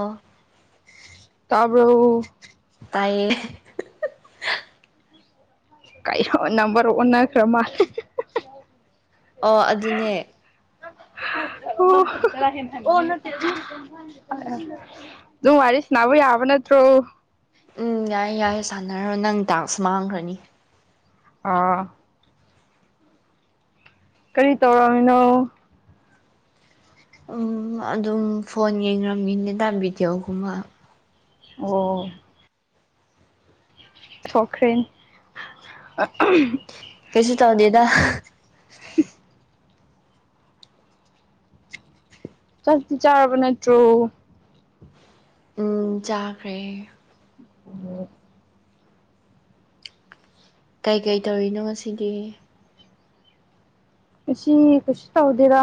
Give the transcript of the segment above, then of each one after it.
ꯑ ꯇꯕꯔ ꯇꯥꯏ ꯀ ꯅꯝꯕꯔ ꯑꯣꯟꯅꯈ꯭ꯔ ꯃꯥ ꯑꯣ ꯑꯗꯨꯅꯦ ꯎꯝ ꯑꯗꯨꯨꯝ ꯋꯥꯔꯤꯦꯁ ꯅꯅꯕ ꯌꯥꯕ ꯅ ꯇ꯭ꯔꯣ ꯎꯝ ꯌꯥꯏꯌꯦ ꯌꯥꯏ ꯁꯥꯟꯅꯔꯣ ꯅꯪ ꯗꯥꯟꯁ ꯃꯥꯡꯈ꯭ꯔꯅꯤ ꯑꯥ ꯀꯔꯤ ꯇꯧꯔꯛꯃꯤꯅꯣ ꯎꯝ ꯑꯗꯨꯝ ꯐꯣꯟ ꯌꯦꯡꯔꯃꯤꯅꯦꯗ ꯚꯗꯤꯑꯣꯒꯨꯝꯕ ꯑꯣ ꯊꯣꯈ꯭ꯔꯤ ꯀꯩꯁꯨ ꯇꯧꯗꯦꯗ ꯆꯗꯤ ꯆꯥꯕ ꯅꯠꯇ꯭ꯔꯣ ꯎꯝ ꯆꯥꯈ꯭ꯔꯦ ꯑꯣ ꯀꯩꯀꯩ ꯇꯧꯔꯤꯅꯣ ꯉꯁꯤꯒꯤ ꯑꯁꯤꯁꯤ ꯀꯁꯤ ꯇꯧꯗꯦꯔ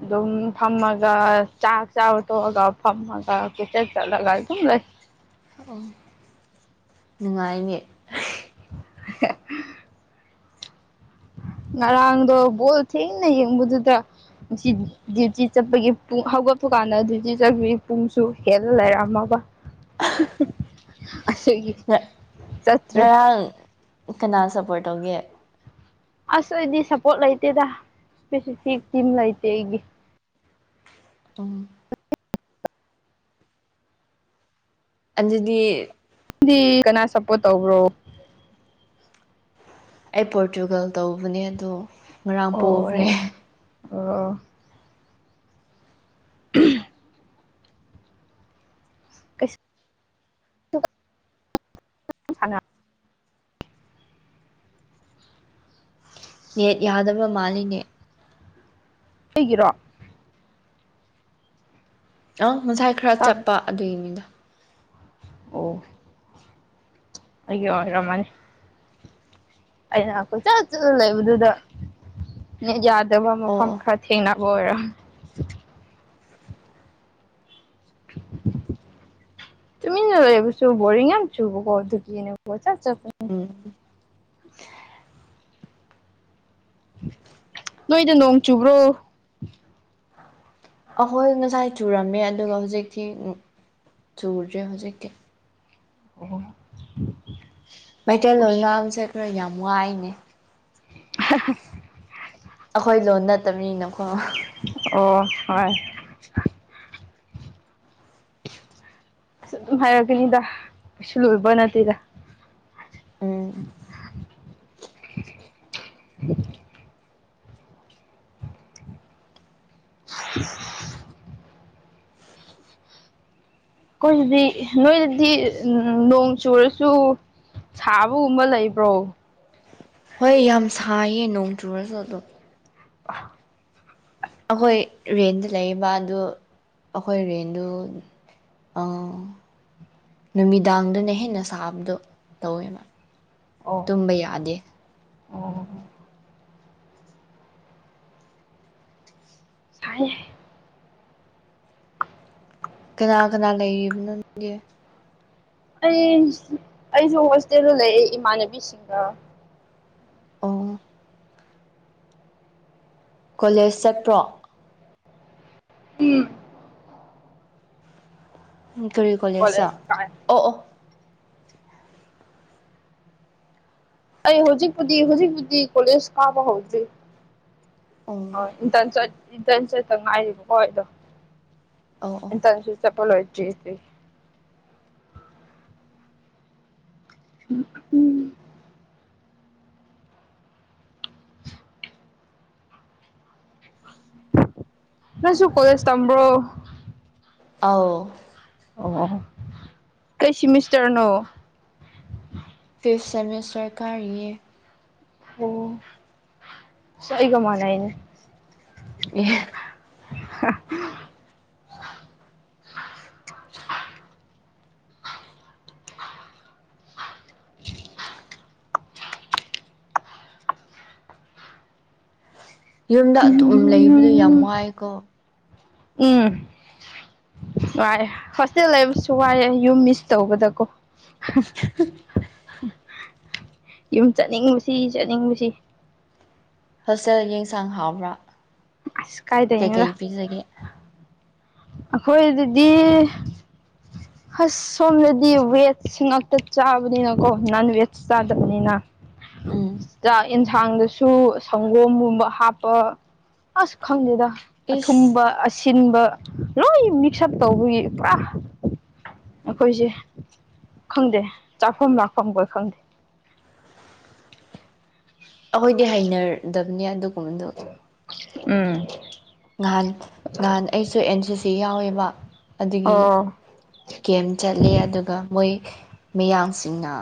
ꯑꯗꯨꯝ ꯐꯝꯃꯒ ꯆꯥꯛ ꯆꯥ ꯇꯣꯛꯑꯒ ꯐꯝꯃꯒ ꯀꯆ ꯆꯠꯂꯒ ꯑꯗꯨꯝ ꯐꯁ ꯅꯨꯡꯉꯥꯏꯅꯦ [unintelligible] ꯉꯔꯪꯗꯣ ꯣ ꯊ ꯅꯗꯨ ꯇ ꯗ꯭ꯌꯨꯇꯤ ꯆꯠꯄꯒꯤ ꯄꯨꯡ ꯍꯧꯒꯠꯄ ꯀꯥꯟꯗ ꯗ꯭ꯌꯨꯇꯤ ꯆꯠꯄꯒꯤ ꯄꯨꯡꯁꯨ ꯍꯦꯜꯂ ꯂꯩꯔꯝꯃꯒ ꯑꯁꯒꯤ ꯆꯠꯇ꯭ꯔꯦ ꯉꯔꯥꯡ ꯀꯅꯥ ꯁꯞꯄꯣꯔꯠ ꯇꯧꯒꯦ ꯑꯁ ꯑꯩꯗꯤ ꯁꯞꯄꯣꯔꯠ ꯂꯩꯇꯦꯗ ꯏꯁꯄꯦꯁꯤꯐꯤꯛ ꯇꯤꯝ ꯂꯩꯇꯦ ꯑꯩꯒꯤ ꯇꯨꯝ ꯑꯗꯨꯗꯤ ꯗꯤ ꯀꯅꯥ ꯁꯄꯣꯠ ꯇꯧꯕ꯭ꯔꯣ ꯑꯩ ꯄꯣꯔꯇꯨꯒꯜ ꯇꯧꯕꯅꯦ ꯑꯗꯣ ꯉꯔꯥꯡ ꯄꯣꯈ꯭ꯔꯦ ꯑꯣ ꯑꯣ ꯀꯩꯁ ꯀꯁꯅ ꯅꯦꯠ ꯌꯥꯗꯕ ꯃꯥꯜꯂꯤꯅꯦ ꯑꯩꯒꯤꯔꯣ ꯑ ꯉꯁꯥꯏ ꯈꯔ ꯇꯞ ꯆꯠꯄ ꯑꯗꯨꯒꯤꯅꯤꯗ ꯑꯣ ꯑꯌꯣ ꯔꯃꯅꯤ ꯑꯩꯅ ꯑꯩꯈꯣꯏ ꯆꯠ ꯆꯠꯂ ꯂꯩꯕꯗꯨꯗ ꯌꯥꯗꯕ ꯑꯣ ꯃꯐꯝ ꯑꯣ ꯈꯔ ꯊꯦꯡꯅ ꯑꯣꯏꯣꯏꯔꯝ ꯇꯃꯤꯕꯨ ꯁ ꯣꯔꯤ ꯌꯥꯝꯌꯥꯝ ꯆ ꯀꯣ ꯊ ꯆꯠ ꯆꯄ ꯎꯝ ꯅꯣꯏꯗ ꯅꯣꯡ ꯆꯨꯕ꯭ꯔꯣ ꯑꯍꯣꯏ ꯉꯁꯥꯏ ꯆꯨꯔꯝꯃꯦ ꯑꯗꯨꯒ ꯍꯧꯖꯤꯛꯇꯤ ꯑꯝ ꯆꯨꯗ꯭ꯔꯦ ꯍꯧꯖꯤꯛꯀꯤ ꯑꯣ ꯃꯩꯇꯩꯂꯣꯟ ꯎꯁ ꯉꯥꯡꯁꯦ ꯈꯔ ꯌꯥꯝ ꯋꯥꯏꯅꯦ ꯑꯩꯈꯣꯏ ꯂꯣꯟ ꯅꯠꯇꯕꯅꯤꯅꯀꯣ ꯑꯣ ꯍꯣꯏ ꯑꯟ ꯑꯁ ꯑꯗꯨꯝ ꯍꯥꯏꯔꯛꯀꯅꯤꯗ ꯀꯩꯁꯨ ꯂꯣꯏꯕ ꯅꯠꯇꯦꯗ ꯎꯝ ꯑꯟꯑꯣꯗꯤꯕꯜ ꯑꯟꯏꯟꯇꯦꯜꯂꯤꯖꯦꯕꯜ ꯑꯩꯈꯣꯏꯁꯤꯗꯤ ꯅꯣꯏꯗꯗꯤ ꯎ ꯅꯣꯡ ꯆꯨꯔꯁꯨ ꯁꯥꯕꯒꯨꯝꯕ ꯂꯩꯕ꯭ꯔꯣ ꯍꯣꯏ ꯌꯥꯝ ꯁꯥꯏꯌꯦ ꯅꯣꯡ ꯆꯨꯔꯁꯨ ꯑꯗꯨꯝ ꯑꯍ ꯑꯩꯈꯣꯏ ꯔꯦꯟꯗ ꯂꯩꯔꯤꯕ ꯑꯗꯨ ꯑꯩꯈꯣꯏ ꯔꯦꯟꯗꯨ ꯑꯥ ꯅꯨꯃꯤꯗꯥꯡꯗꯨꯅ ꯍꯦꯟꯅ ꯁꯥꯕꯗꯣ ꯇꯧꯋꯦꯕ ꯑꯣ ꯇꯨꯝꯕ ꯌꯥꯗꯦ ꯑꯣ ꯁꯥꯏ ꯀꯅꯥ ꯀꯅꯥ ꯂꯩꯔꯤꯕꯅꯣꯒꯤ ꯑꯩ ꯑꯩꯁꯨ ꯍꯣꯁꯇꯦꯜꯗ ꯂꯩ ꯏꯃꯥꯟꯅꯕꯤꯁꯤꯡꯒ ꯑꯣ ꯀꯣꯂꯦꯖ ꯆꯠꯄ꯭ꯔꯣ ꯎꯝ ꯀꯔꯤ ꯀꯣꯂꯦꯖꯇ ꯀꯣꯂꯦꯖ ꯀꯥꯏ ꯑꯣ ꯑꯣ ꯑꯩ ꯍꯧꯖꯤꯛꯄꯨꯗꯤ ꯍꯧꯖꯤꯛꯄꯨꯗꯤ ꯀꯣꯂꯦꯖ ꯀꯥꯕ ꯍꯧꯗ꯭ꯔꯤ ꯑꯣ ꯍꯣꯏ ꯏꯟꯇꯔꯟ ꯆꯠ ꯏꯟꯇꯔꯟ ꯆꯠꯇ ꯉꯥꯏꯀꯣ ꯑꯗꯣ ꯑꯧ ꯑꯧ ꯑꯦ ꯆꯁꯦꯄꯂꯣꯏꯔꯤ ꯎꯝꯍꯝ ꯅꯪꯁꯨ ꯀꯣꯂꯦꯖ ꯇꯝꯕ꯭ꯔꯣ ꯑꯥꯎ ꯑꯣ ꯑꯣ ꯀꯩ ꯁꯤꯃꯤꯁꯇꯔꯅꯣ ꯐꯤꯐ ꯁꯦꯃꯤꯁꯇꯔ ꯀꯥꯔꯤꯌꯦ ꯑꯣ ꯁ ꯑꯩꯒ ꯃꯅꯏꯅꯦ ꯏ [inaudible] ꯌꯨꯝꯗ ꯂꯩꯕꯗꯣ ꯌꯥꯝ ꯋꯥꯏꯀꯣ ꯎꯝ ꯋꯥꯏꯑꯦ ꯍꯣꯁꯇꯦꯜ ꯂꯩꯕꯁꯨ ꯋꯥꯏꯑꯦ ꯌꯨꯝ ꯃꯤꯁ ꯇꯧꯕꯗꯀꯣ [inaudible] ꯌꯨꯝ ꯆꯠꯅꯤꯡꯕꯁꯤ ꯆꯠꯅꯤꯡꯉꯕꯁꯤ ꯍꯣꯦꯜꯁꯦꯜ ꯌꯦꯟꯁꯥꯡ ꯍꯥꯎꯕ꯭ꯔꯥ ꯑꯁ ꯀꯥꯏ ꯇꯩꯩꯅꯒ ꯀꯩꯀꯩ ꯄꯤꯖꯒꯦ ꯑꯩꯈꯣꯏꯗꯗꯤ ꯑꯁ ꯁꯣꯝꯗꯗꯤ ꯚꯦꯖ ꯉꯥꯛꯇ ꯆꯥꯕꯅꯤꯅꯀꯣ ꯅꯟ ꯚꯦꯖ ꯆꯥꯗꯕꯅꯤꯅ ꯎꯝ ꯆ ꯑꯦꯟꯁꯥꯡꯗꯁꯨ ꯁꯪꯒꯣꯝꯒꯨꯝꯕ ꯍꯥꯞꯄ ꯑꯁ ꯈꯪꯗꯦꯗ ꯏꯁ ꯑꯊꯨꯝꯕ ꯑꯁꯤꯟꯕ ꯂꯣꯏ ꯃꯤꯛꯁ ꯑꯞ ꯇꯧꯕꯒꯤ ꯄꯨꯔꯥ ꯑꯩꯈꯣꯏꯁꯦ ꯈꯪꯗꯦ ꯆꯥꯛꯐꯝ ꯂꯥꯛꯐꯝ ꯀꯣꯏ ꯈꯪꯗꯦ [inaudible] ꯑꯩꯈꯣꯏꯗꯤ ꯍꯩꯅꯗꯕꯅꯦ ꯑꯗꯨꯒꯨꯝꯕꯗꯨꯣ ꯎꯝ ꯉꯍꯥꯟ ꯉꯍꯥꯟ ꯑꯩꯁꯨ ꯑꯦꯟ ꯁꯤ ꯁꯤ ꯌꯥꯎꯋꯦꯕ ꯑꯗꯨꯗꯒꯤ ꯑꯣ ꯒꯦꯝ ꯆꯠꯂꯤ ꯑꯗꯨꯒ ꯃꯣꯏ ꯃꯌꯥꯝꯡ ꯁꯤꯡꯅ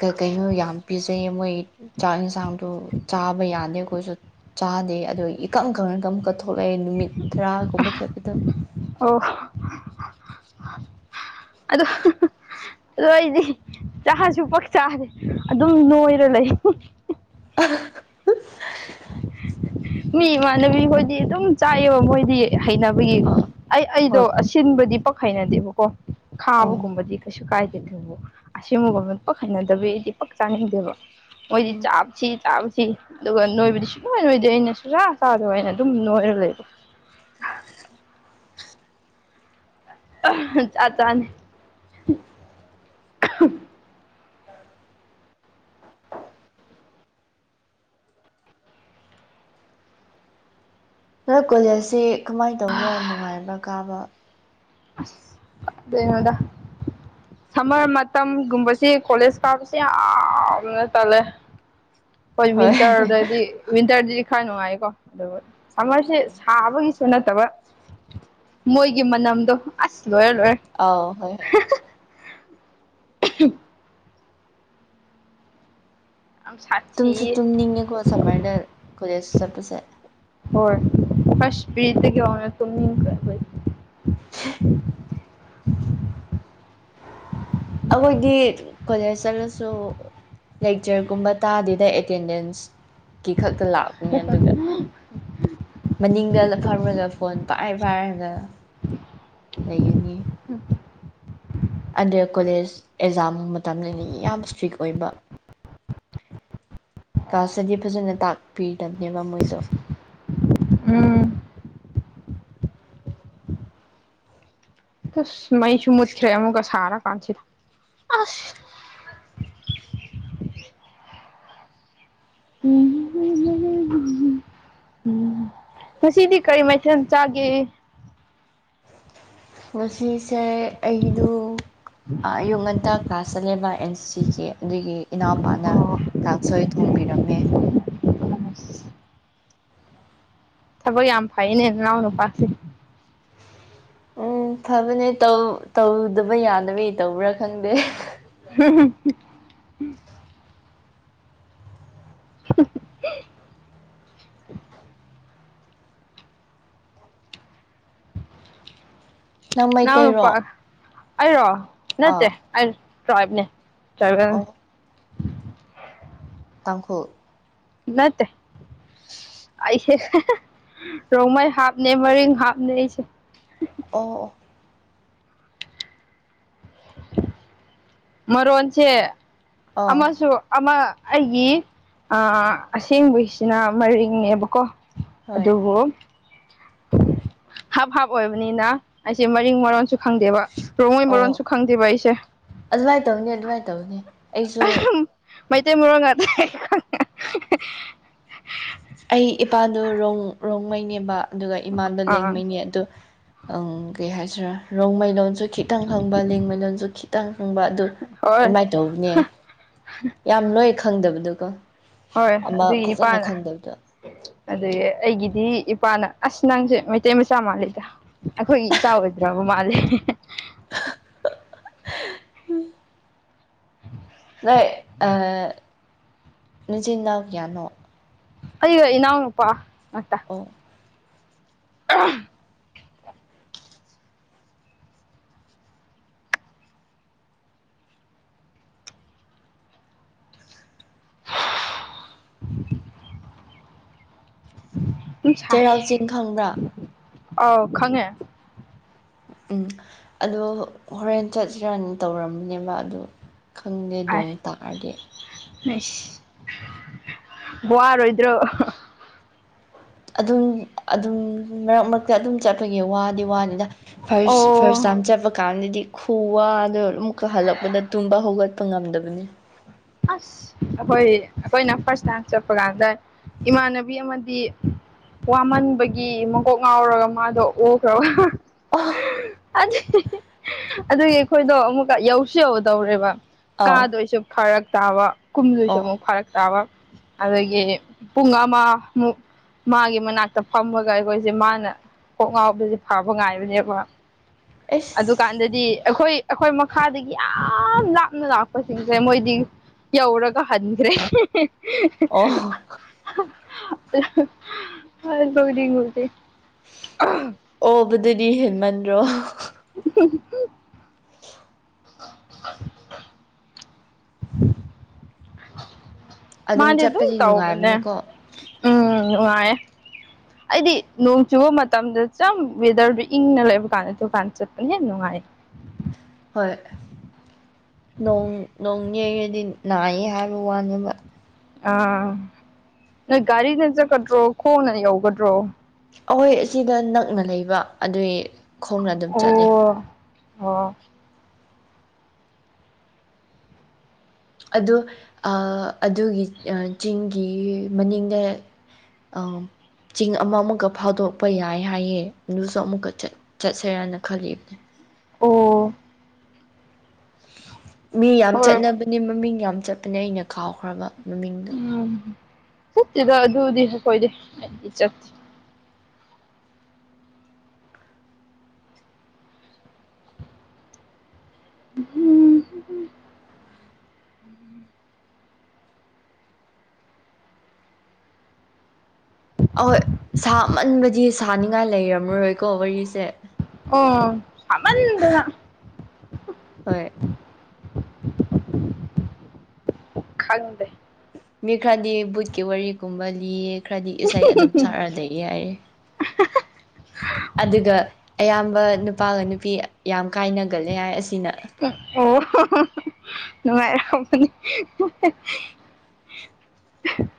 ꯀ ꯀꯩꯅꯣ ꯌꯥꯝ ꯄꯤꯖꯩꯌꯦ ꯃꯣꯏ ꯆꯥꯛ ꯌꯦꯟꯁꯥꯡꯗꯣ ꯆꯥꯕ ꯌꯥꯗꯦ ꯑꯩꯈꯣꯏꯁꯨ ꯆꯥꯗꯦ ꯑꯗꯨ ꯀꯝ ꯀꯪꯅ ꯀꯝ ꯀꯛꯊꯂꯛꯑꯦ ꯅꯨꯃꯤꯠ ꯇꯔꯥꯒꯨꯝꯕ ꯆꯠꯄꯗ ꯑꯣ ꯑꯗꯣ ꯑꯗꯨ ꯑꯩꯗꯤ ꯆꯥꯁꯨ ꯄꯛꯆꯥꯔꯦ ꯑꯗꯨꯝ ꯅꯣꯏꯔ ꯂꯩ [inaudible] ꯃꯤ ꯏꯃꯥꯟꯅꯕꯤꯈꯣꯏꯗꯤ ꯑꯗꯨꯝ ꯆꯥꯏꯑꯕ ꯃꯣꯏꯗꯤ ꯍꯩꯅꯕꯒꯤ ꯑꯥ ꯑꯩ ꯑꯩꯗꯣ ꯍꯣꯏ ꯑꯁꯤꯟꯕꯗꯤ ꯄꯛ ꯍꯩꯅꯗꯦꯕꯀꯣ ꯑꯧ ꯈꯥꯕꯒꯨꯝꯕꯖꯤ ꯀꯁꯨꯀꯥꯏ ꯑꯗꯨꯕꯨ ꯑꯁꯦꯡꯕꯒ ꯄꯛ ꯍꯩꯅꯗꯕꯤꯒꯤꯗꯤ ꯄꯛ ꯆꯥꯅꯤꯡꯗꯦꯕ ꯃꯣꯏꯗꯤ ꯎꯝ ꯆꯥꯞꯁꯤ ꯆꯥꯞꯁꯤ ꯅꯣꯏꯕꯗꯤ ꯁꯨꯃꯥꯏ ꯑꯣꯏꯗꯦ ꯑꯩꯅ ꯆꯨꯔꯨꯔꯥ ꯆꯥꯗꯕꯅ ꯑꯗꯨꯝ ꯅꯣꯏꯔ ꯂꯩꯕ [inaudible] ꯆꯥ ꯆꯅꯤ ꯅꯔ ꯀꯣꯂꯦꯖꯁꯤ ꯀꯃꯥꯏꯅ ꯇꯧꯕ꯭ꯔꯥ ꯅꯨꯡꯉꯥꯏꯕ꯭ꯔꯥ ꯀꯥꯕ ꯑ ꯑꯗꯨꯉꯣꯗ ꯁꯝꯃꯔ ꯃꯇꯝꯒꯨꯝꯕꯕꯁꯤ ꯀꯣꯂꯦꯖ ꯀꯥꯕꯕꯁꯤ ꯌꯥꯝꯅ ꯇꯜꯂꯦ ꯍꯣꯏ ꯋꯤꯟꯇꯔꯗꯗꯤ ꯋꯤꯟꯇꯔꯗꯗꯤ ꯈꯔ ꯅꯨꯡꯉꯥꯏꯀꯣ ꯑꯗꯨ ꯁꯃꯔꯁꯦ ꯁꯥꯕꯒꯤꯁꯨ ꯅꯠꯇꯕ ꯃꯣꯏꯒꯤ ꯃꯅꯝꯗꯣ ꯑꯁ ꯂꯣꯏꯔꯦ ꯂꯣꯏꯔꯦ ꯑꯥꯎ ꯍꯣꯏ [inaudible] ꯌꯥꯝ ꯇꯨꯝꯁꯨ ꯁꯥꯊꯤꯌꯦ ꯇꯨꯝꯅꯤꯡꯉꯦꯀꯣ ꯁꯝꯃꯔꯗ ꯀꯣꯂꯦꯖ ꯆꯠꯄꯁꯦ ꯍꯣꯏ ꯐꯁ ꯐꯗ ꯋꯥꯅ [inaudible] [inaudible] ꯑꯩꯈꯣꯏꯗꯤ ꯀꯣꯂꯦꯖ ꯆꯠꯂꯁꯨ ꯂꯦꯛꯆꯔꯒꯨꯝꯕ ꯇꯥꯗꯦꯗ ꯑꯦꯇꯦꯟꯗꯦꯟꯁꯀꯤꯈꯛ ꯂꯥꯛꯄꯅꯤ ꯑꯗꯨꯒ ꯃꯅꯤꯡꯗ ꯐꯝꯔꯒ ꯐꯣꯟ ꯄꯥꯏꯔꯦ ꯄꯥꯏꯔꯒ ꯂꯩꯒꯅꯤ ꯑꯟꯗꯔ ꯀꯣꯂꯦꯖ ꯑꯦꯛꯖꯥꯝ ꯃꯇꯝ ꯅꯤꯅ ꯌꯥꯝ ꯏꯁꯇ꯭ꯔꯤꯛ ꯑꯣꯏꯕ ꯀ꯭ꯂꯥꯁꯇꯗꯤ ꯐꯖꯅ ꯇꯥꯛꯄꯤ ꯇꯕꯅꯦꯕ ꯃꯣꯏꯗꫭ ꯎꯝ ꯎꯁ ꯃꯩꯁꯨ ꯃꯨꯠꯈ꯭ꯔꯦ ꯑꯃꯨꯛꯀ ꯁꯥꯔꯥ ꯀꯥꯟꯁꯤꯗ ꯑꯁ [inaudible] [inaudible] ꯎꯝ ꯉꯁꯤꯗꯤ ꯀꯔꯤ ꯃꯥꯊꯦꯜ ꯆꯥꯒꯦ ꯉꯁꯤꯁꯦ ꯑꯩꯗꯨ ꯑꯌꯨꯛ ꯉꯟꯇꯥ ꯀ꯭ꯂꯥꯁ ꯆꯟꯂꯦꯕ ꯑꯦꯟ ꯁꯤꯒꯤ ꯑꯗꯨꯒꯤ ꯏꯅꯥꯎꯄꯥꯅ ꯑꯣ ꯀꯥꯡꯁꯣꯏ ꯊꯣꯡꯕꯤꯔꯝꯃꯦ ꯑꯝ ꯊꯕꯛ ꯌꯥꯝ ꯐꯩꯅꯦ ꯅꯅꯥꯎ ꯅꯨꯄꯥꯁꯦ ꯎꯝ ꯐꯕꯅꯦ ꯇꯧ ꯇꯧꯗꯕ ꯌꯥꯗꯕꯒꯤ ꯇꯧꯕ꯭ꯔꯥ ꯈꯪꯗꯦ [inaudible] [inaudible] ꯅꯪ ꯅꯅꯥꯎ ꯃꯩꯇꯩꯔꯣ ꯅꯨꯄꯥ ꯑꯩꯔꯣ ꯅꯠꯇꯦ ꯑꯥ ꯑꯩ ꯇ꯭ꯔꯥꯏꯕꯅꯦ ꯇ꯭ꯔꯥꯏꯕꯦꯜ ꯑꯣ ꯇꯥꯡꯈꯨꯜ ꯅꯠꯇꯦ ꯑꯩꯁꯦ ꯔꯣꯡꯃꯩ ꯍꯥꯞꯅꯦ ꯃꯔꯤꯡ ꯍꯥꯞꯅꯦ ꯑꯩꯁꯦ ꯑꯣ ꯑꫭ ꯃꯔꯣꯟꯁꯦ ꯑꯥ ꯑꯃꯁꯨ ꯑꯃ ꯑꯩꯒꯤ ꯑꯥ ꯑꯁꯦꯡꯕꯩꯁꯤꯅ ꯃꯔꯤꯡꯅꯦꯕꯀꯣ ꯍꯣꯏ ꯑꯗꯨꯕꯨ ꯍꯥꯞ ꯍꯥꯞ ꯑꯣꯏꯕꯅꯤꯅ ꯑꯩꯁꯦ ꯃꯔꯤꯡ ꯃꯔꯣꯟꯁꯨ ꯈꯪꯗꯦꯕ ꯄꯣꯉꯣꯏ ꯑꯣ ꯃꯔꯣꯟꯁꯨ ꯈꯪꯗꯦꯕ ꯑꯩꯁꯦ ꯑꯗꯨꯃꯥꯏꯅ ꯇꯧꯅꯤ ꯑꯗꯨꯃꯥꯏꯅ ꯇꯧꯅꯤ ꯑꯩꯁꯨ ꯃꯩꯇꯩ ꯃꯣꯡ ꯉꯗ ꯑꯩ ꯏꯄꯥꯗꯣ ꯔꫭꯡ ꯔꯣꯡꯃꯩꯅꯦꯕ ꯑꯗꯨꯒ ꯏꯃꯥꯗꯣ ꯑꯥ ꯂꯦꯡꯃꯩꯅꯦ ꯑꯗꯨ ꯪ ꯀꯩ ꯍꯥꯏꯁꯤꯔꯥ ꯔꯣꯡꯃꯩ ꯂꯣꯟꯁꯨ ꯈꯤꯇꯪ ꯈꯪꯕ ꯂꯦꯡꯃꯩꯂꯣꯟ ꯁꯨ ꯈꯤꯇꯪ ꯈꯪꯕ ꯑꯗꯨ ꯍꯣꯏ ꯑꯗꯨꯃꯥꯏꯅ ꯇꯧꯕꯅꯦ ꯌꯥꯝ ꯂꯣꯏ ꯈꯪꯗꯕꯗꯨꯀꯣ ꯍꯣꯏ ꯑꯃ ꯑꯗꯨꯒꯤ ꯐꯖꯅ ꯏꯄꯥꯅ ꯈꯪꯗꯕꯗꫭ ꯑꯗꯨꯒꯤ ꯑꯩꯒꯤꯗꯤ ꯏꯄꯥꯅ ꯑꯁ ꯅꯪꯁꯦ ꯃꯩꯇꯩ ꯃꯆꯥ ꯃꯥꯜꯂꯤꯗ ꯑꯩꯈꯣꯏꯒꯤ ꯏꯆꯥ ꯑꫭꯏꯗ꯭ꯔꯥꯕ ꯃꯥꯂꯤ [inaudible] ꯑ ꯅꯆꯤꯟꯅꯥꯎ ꯀꯌꯥꯅꯣ ꯑꯩꯒ ꯏꯅꯥꯎꯄꯥ ꯃꯠꯇ ꯑꯣ [inaudible] [inaudible] ꯎ ꯁ ꯆꯩꯔꯥꯎ ꯆꯤꯡ ꯈꯪꯕ꯭ꯔꯥ ꯑꯥꯎ ꯈꯉꯦ ꯎꯝ ꯑꯗꯣ ꯍꯣꯔꯦꯟ ꯆꯠꯁꯤꯔꯥꯅ ꯇꯧꯔꯝꯕꯅꯦꯕ ꯑꯗꯨꯗ ꯈꯪꯗꯦ ꯑꯥꯏ ꯅꯣꯡ ꯇꯥꯑꯗꯤ ꯋꯥꯔꯣꯏꯗ꯭ꯔꯣ ꯑꯗꯨꯝ ꯑꯗꯨꯝ ꯃꯔꯛ ꯃꯔꯛꯇ ꯑꯗꯨꯝ ꯆꯠꯄꯒꯤ ꯋꯥꯗꯤ ꯋꯥꯗꯦꯗ ꯐꯥꯔꯁ ꯐꯥꯔꯁ ꯑꯣ ꯇꯥꯏꯝ ꯆꯠꯄ ꯀꯥꯟꯗꯗꯤ ꯈꯨ ꯋꯥꯗꯨ ꯑꯃꯨꯛꯀ ꯍꯜꯂꯛꯄꯗ ꯇꯨꯝꯕ ꯍꯧꯒꯠꯄ ꯉꯝꯗꯕꯅꯤ ꯑꯁ ꯑꯩꯈꯣꯏ ꯑꯩꯈꯣꯏꯅ ꯐꯥꯔꯁ ꯇꯥꯏꯝ ꯆꯠꯄ ꯀꯥꯟꯗ ꯏꯃꯥꯟꯅꯕꯤ ꯑꯃꯗꯤ ꯋꯥꯃꯟꯕꯒꯤ ꯃꯀꯣꯛ ꯉꯥꯎꯔꯒ ꯃꯥꯗꯣ ꯎꯈ꯭ꯔꯕ ꯑꯥꯎ ꯑꯗꯨꯒꯤ ꯑꯩꯈꯣꯏꯗꯣ ꯑꯃꯨꯛꯀ ꯌꯧꯁꯨ ꯌꯧꯗꯧꯔꯦꯕ ꯀꯥꯗꯣꯏꯁꯨ ꯐꯔꯛ ꯇꯥꯕ ꯀꯨꯝꯗꯣꯏꯁꯨ ꯑꯣ ꯑꯃꯨꯛ ꯐꯔꯛ ꯇꯥꯕ ꯑꯗꯨꯗꯒꯤ ꯄꯨꯉꯃ ꯃꯥꯒꯤ ꯃꯅꯥꯛꯇ ꯐꯝꯃꯒ ꯑꯩꯈꯣꯏꯁꯦ ꯃꯥꯅ ꯄꯣꯛ ꯉꯥꯎꯗꯁꯦ ꯐꯕ ꯉꯥꯏꯕꯅꯦꯕ ꯑꯩꯁ ꯑꯗꯨꯀꯥꯟꯗꯗꯤ ꯑꯩꯈꯣꯏ ꯑꯩꯈꯣꯏ ꯃꯈꯥꯗꯒꯤ ꯌꯥꯝ ꯂꯥꯞꯅ ꯂꯥꯛꯄꯁꯤꯡꯁꯦ ꯃꯣꯏꯗꯤ ꯌꯥꯎꯔꯒ ꯍꯟ꯭ꯔꯦ ꯑꯣ ꯑ ꯐꯗꯤꯉꯗꯦ ꯑꯗꯨꯗꯤ ꯍꯦꯟꯃꯟꯗ꯭ꯔꯣ [unintelligible] [unintelligible] ꯃꯥꯗꯤ ꯑꯗꯨꯝ ꯆꯠꯄꯗꯤ ꯇꯧꯕꯅꯦ ꯅꯨꯡꯉꯥꯏꯕꯅꯤꯀꯣ ꯎꯝ ꯅꯨꯡꯉꯥꯏꯌꯦ ꯑꯩꯗꯤ ꯅꯣꯡ ꯆꯨꯕ ꯃꯇꯝꯗ ꯆ ꯋꯦꯗꯔꯗꯨ ꯏꯪꯅ ꯂꯩꯕ ꯀꯥꯟꯗ ꯗꯨꯀꯥꯟꯗ ꯆꯠꯄꯅ ꯍꯦꯟꯅ ꯅꯨꯡꯉꯥꯏ [unintelligible] ꯍꯣꯏ ꯣꯡ ꯅꯣꯡ ꯌꯩꯔꯗꯤ ꯅꯥꯏꯏ ꯍꯥꯏꯕ ꯋꯥꯅꯦꯅꯕ ꯑꯥ ꯅꯣꯏ ꯒꯥꯔꯤꯅ ꯆꯠꯀꯗ꯭ꯔꯣ ꯈꯣꯡꯅ ꯌꯧꯒꯗ꯭ꯔꯣ ꯑꯩꯈꯣꯏ ꯑꯁꯤꯗ ꯅꯛꯅ ꯂꯩꯕ ꯑꯗꯨꯏ ꯈꯣꯡꯅ ꯑꯗꯨꯝ ꯆꯠꯂꯤ ꯑꯣ ꯑꯣ ꯑꯣ ꯑꯗꯨꯒꯤ ꯆꯤꯡꯒꯤ ꯃꯅꯤꯡꯗ ꯑ ꯆꯤꯡ ꯑꯃ ꯑꯃꯨꯛꯒ ꯐꯥꯗꯣꯛꯄ ꯌꯥꯏ ꯍꯥꯏꯌꯦꯦ ꯑꯗꯨꯁꯨ ꯑꯃꯨꯛꯀ ꯆꯠꯁꯦꯔꯅ ꯈꯜꯂꯤꯕꯅꯦ ꯑꯣ ꯃꯤ ꯌꯥꯝ ꯍꯣꯏ ꯆꯠꯅꯕꯅꯦ ꯃꯃꯤꯡ ꯌꯥꯝ ꯆꯠꯄꯅꯦ ꯑꯩꯅ ꯀꯥꯎꯈ꯭ꯔꯕ ꯃꯃꯤꯡꯗꯣ ꯎꯝ ꯆꯠꯇꯦꯗ ꯑꯗꯨꯗꯤ ꯑꯩ ꯀꯣꯏꯗꯦ ꯑꯩꯗꯤ ꯆꯠꯇꯦ ꯍꯝ ꯑꯍꯣꯏ ꯁꯥꯃꯟꯕꯗꯤ ꯁꯥꯅꯤꯡꯉꯥꯏ ꯂꯩꯔꯝꯃꯔꯣꯏꯀꯣ ꯋꯥꯔꯤꯁꯦ ꯑꯣ ꯆꯃꯟꯗꯗ ꯍꯣꯏ ꯈꯒꯗ ꯃꯤꯈꯥꯗꯤ ꯕꯨꯠꯀꯤ ꯋꯥꯔꯤꯒꯨꯝꯕ ꯂꯤ ꯈꯔꯗꯤ ꯏꯁꯩ ꯑꯗꯨꯝ ꯁꯛꯔꯗ ꯌꯥꯏꯔꯦ ꯑꯗꯨꯒ ꯑꯌꯥꯝꯕ ꯅꯨꯄꯥꯒ ꯅꯨꯄꯤ ꯌꯥꯝ ꯀꯥꯏꯅꯒꯂꯦ ꯍꯥꯏ ꯑꯁ ꯑꯣ ꯅꯨꯡꯉꯥꯏ ꯀꯝꯄꯅꯤ [unintelligible]